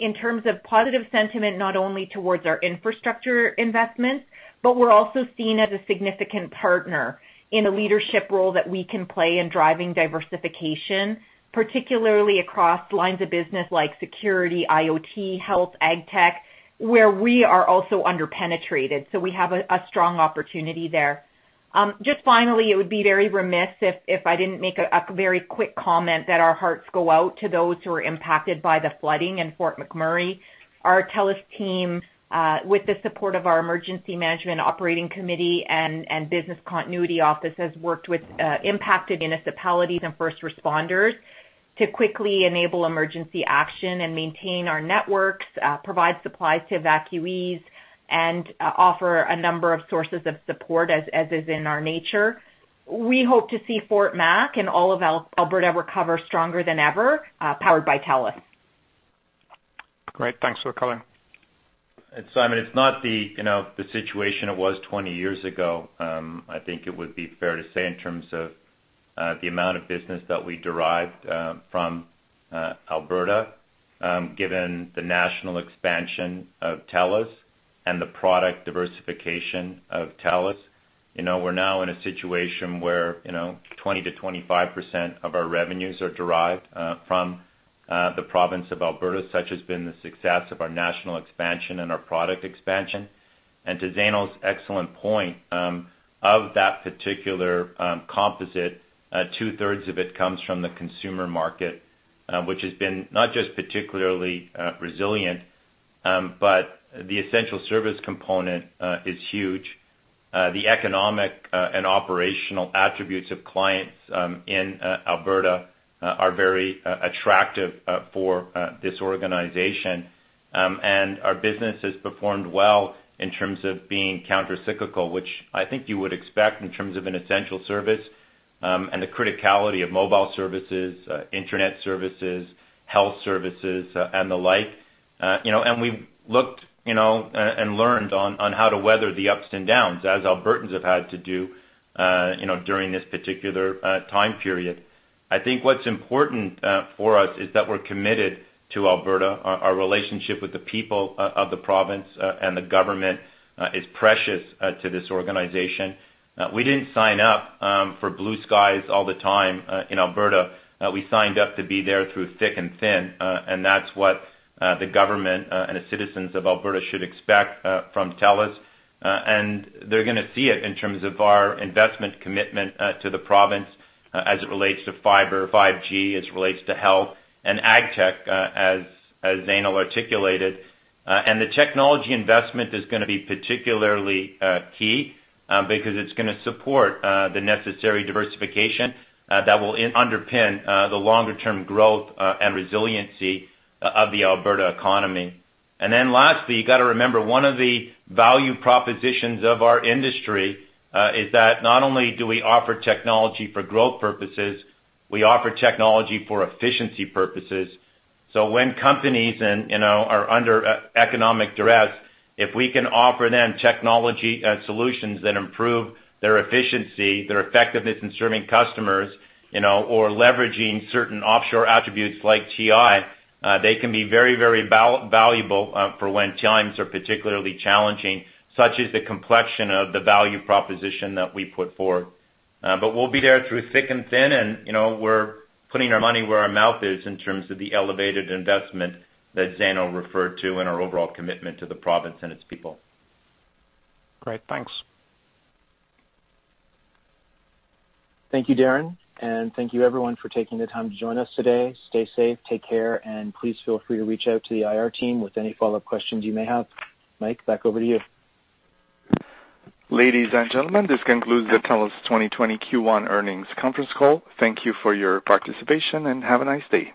in terms of positive sentiment, not only towards our infrastructure investments, but we're also seen as a significant partner in a leadership role that we can play in driving diversification, particularly across lines of business like security, IoT, health, ag tech, where we are also under-penetrated. We have a strong opportunity there. Just finally, it would be very remiss if I didn't make a very quick comment that our hearts go out to those who are impacted by the flooding in Fort McMurray. Our TELUS team, with the support of our Emergency Management Operating Committee and Business Continuity Office, has worked with impacted municipalities and first responders to quickly enable emergency action and maintain our networks, provide supplies to evacuees, and offer a number of sources of support, as is in our nature. We hope to see Fort Mac and all of Alberta recover stronger than ever, powered by TELUS. Great. Thanks for calling. Simon, it's not the situation it was 20 years ago, I think it would be fair to say, in terms of the amount of business that we derived from Alberta, given the national expansion of TELUS and the product diversification of TELUS. We're now in a situation where 20% to 25% of our revenues are derived from the province of Alberta, such has been the success of our national expansion and our product expansion. To Zainul's excellent point, of that particular composite, two-thirds of it comes from the consumer market, which has been not just particularly resilient, but the essential service component is huge. The economic and operational attributes of clients in Alberta are very attractive for this organization. Our business has performed well in terms of being countercyclical, which I think you would expect in terms of an essential service, and the criticality of mobile services, internet services, health services, and the like. We've looked and learned on how to weather the ups and downs, as Albertans have had to do during this particular time period. I think what's important for us is that we're committed to Alberta. Our relationship with the people of the province and the government is precious to this organization. We didn't sign up for blue skies all the time in Alberta. We signed up to be there through thick and thin, and that's what the government and the citizens of Alberta should expect from TELUS. They're going to see it in terms of our investment commitment to the province as it relates to fiber, 5G, as it relates to health and ag tech, as Zainul articulated. The technology investment is going to be particularly key, because it's going to support the necessary diversification that will underpin the longer-term growth and resiliency of the Alberta economy. Lastly, you got to remember, one of the value propositions of our industry is that not only do we offer technology for growth purposes, we offer technology for efficiency purposes. When companies are under economic duress, if we can offer them technology solutions that improve their efficiency, their effectiveness in serving customers, or leveraging certain offshore attributes like TI, they can be very, very valuable for when times are particularly challenging, such is the complexion of the value proposition that we put forward. We'll be there through thick and thin, and we're putting our money where our mouth is in terms of the elevated investment that Zainul referred to and our overall commitment to the province and its people. Great, thanks. Thank you, Darren, thank you everyone for taking the time to join us today. Stay safe, take care, and please feel free to reach out to the IR team with any follow-up questions you may have. Mike, back over to you. Ladies and gentlemen, this concludes the TELUS 2020 Q1 earnings conference call. Thank you for your participation, and have a nice day.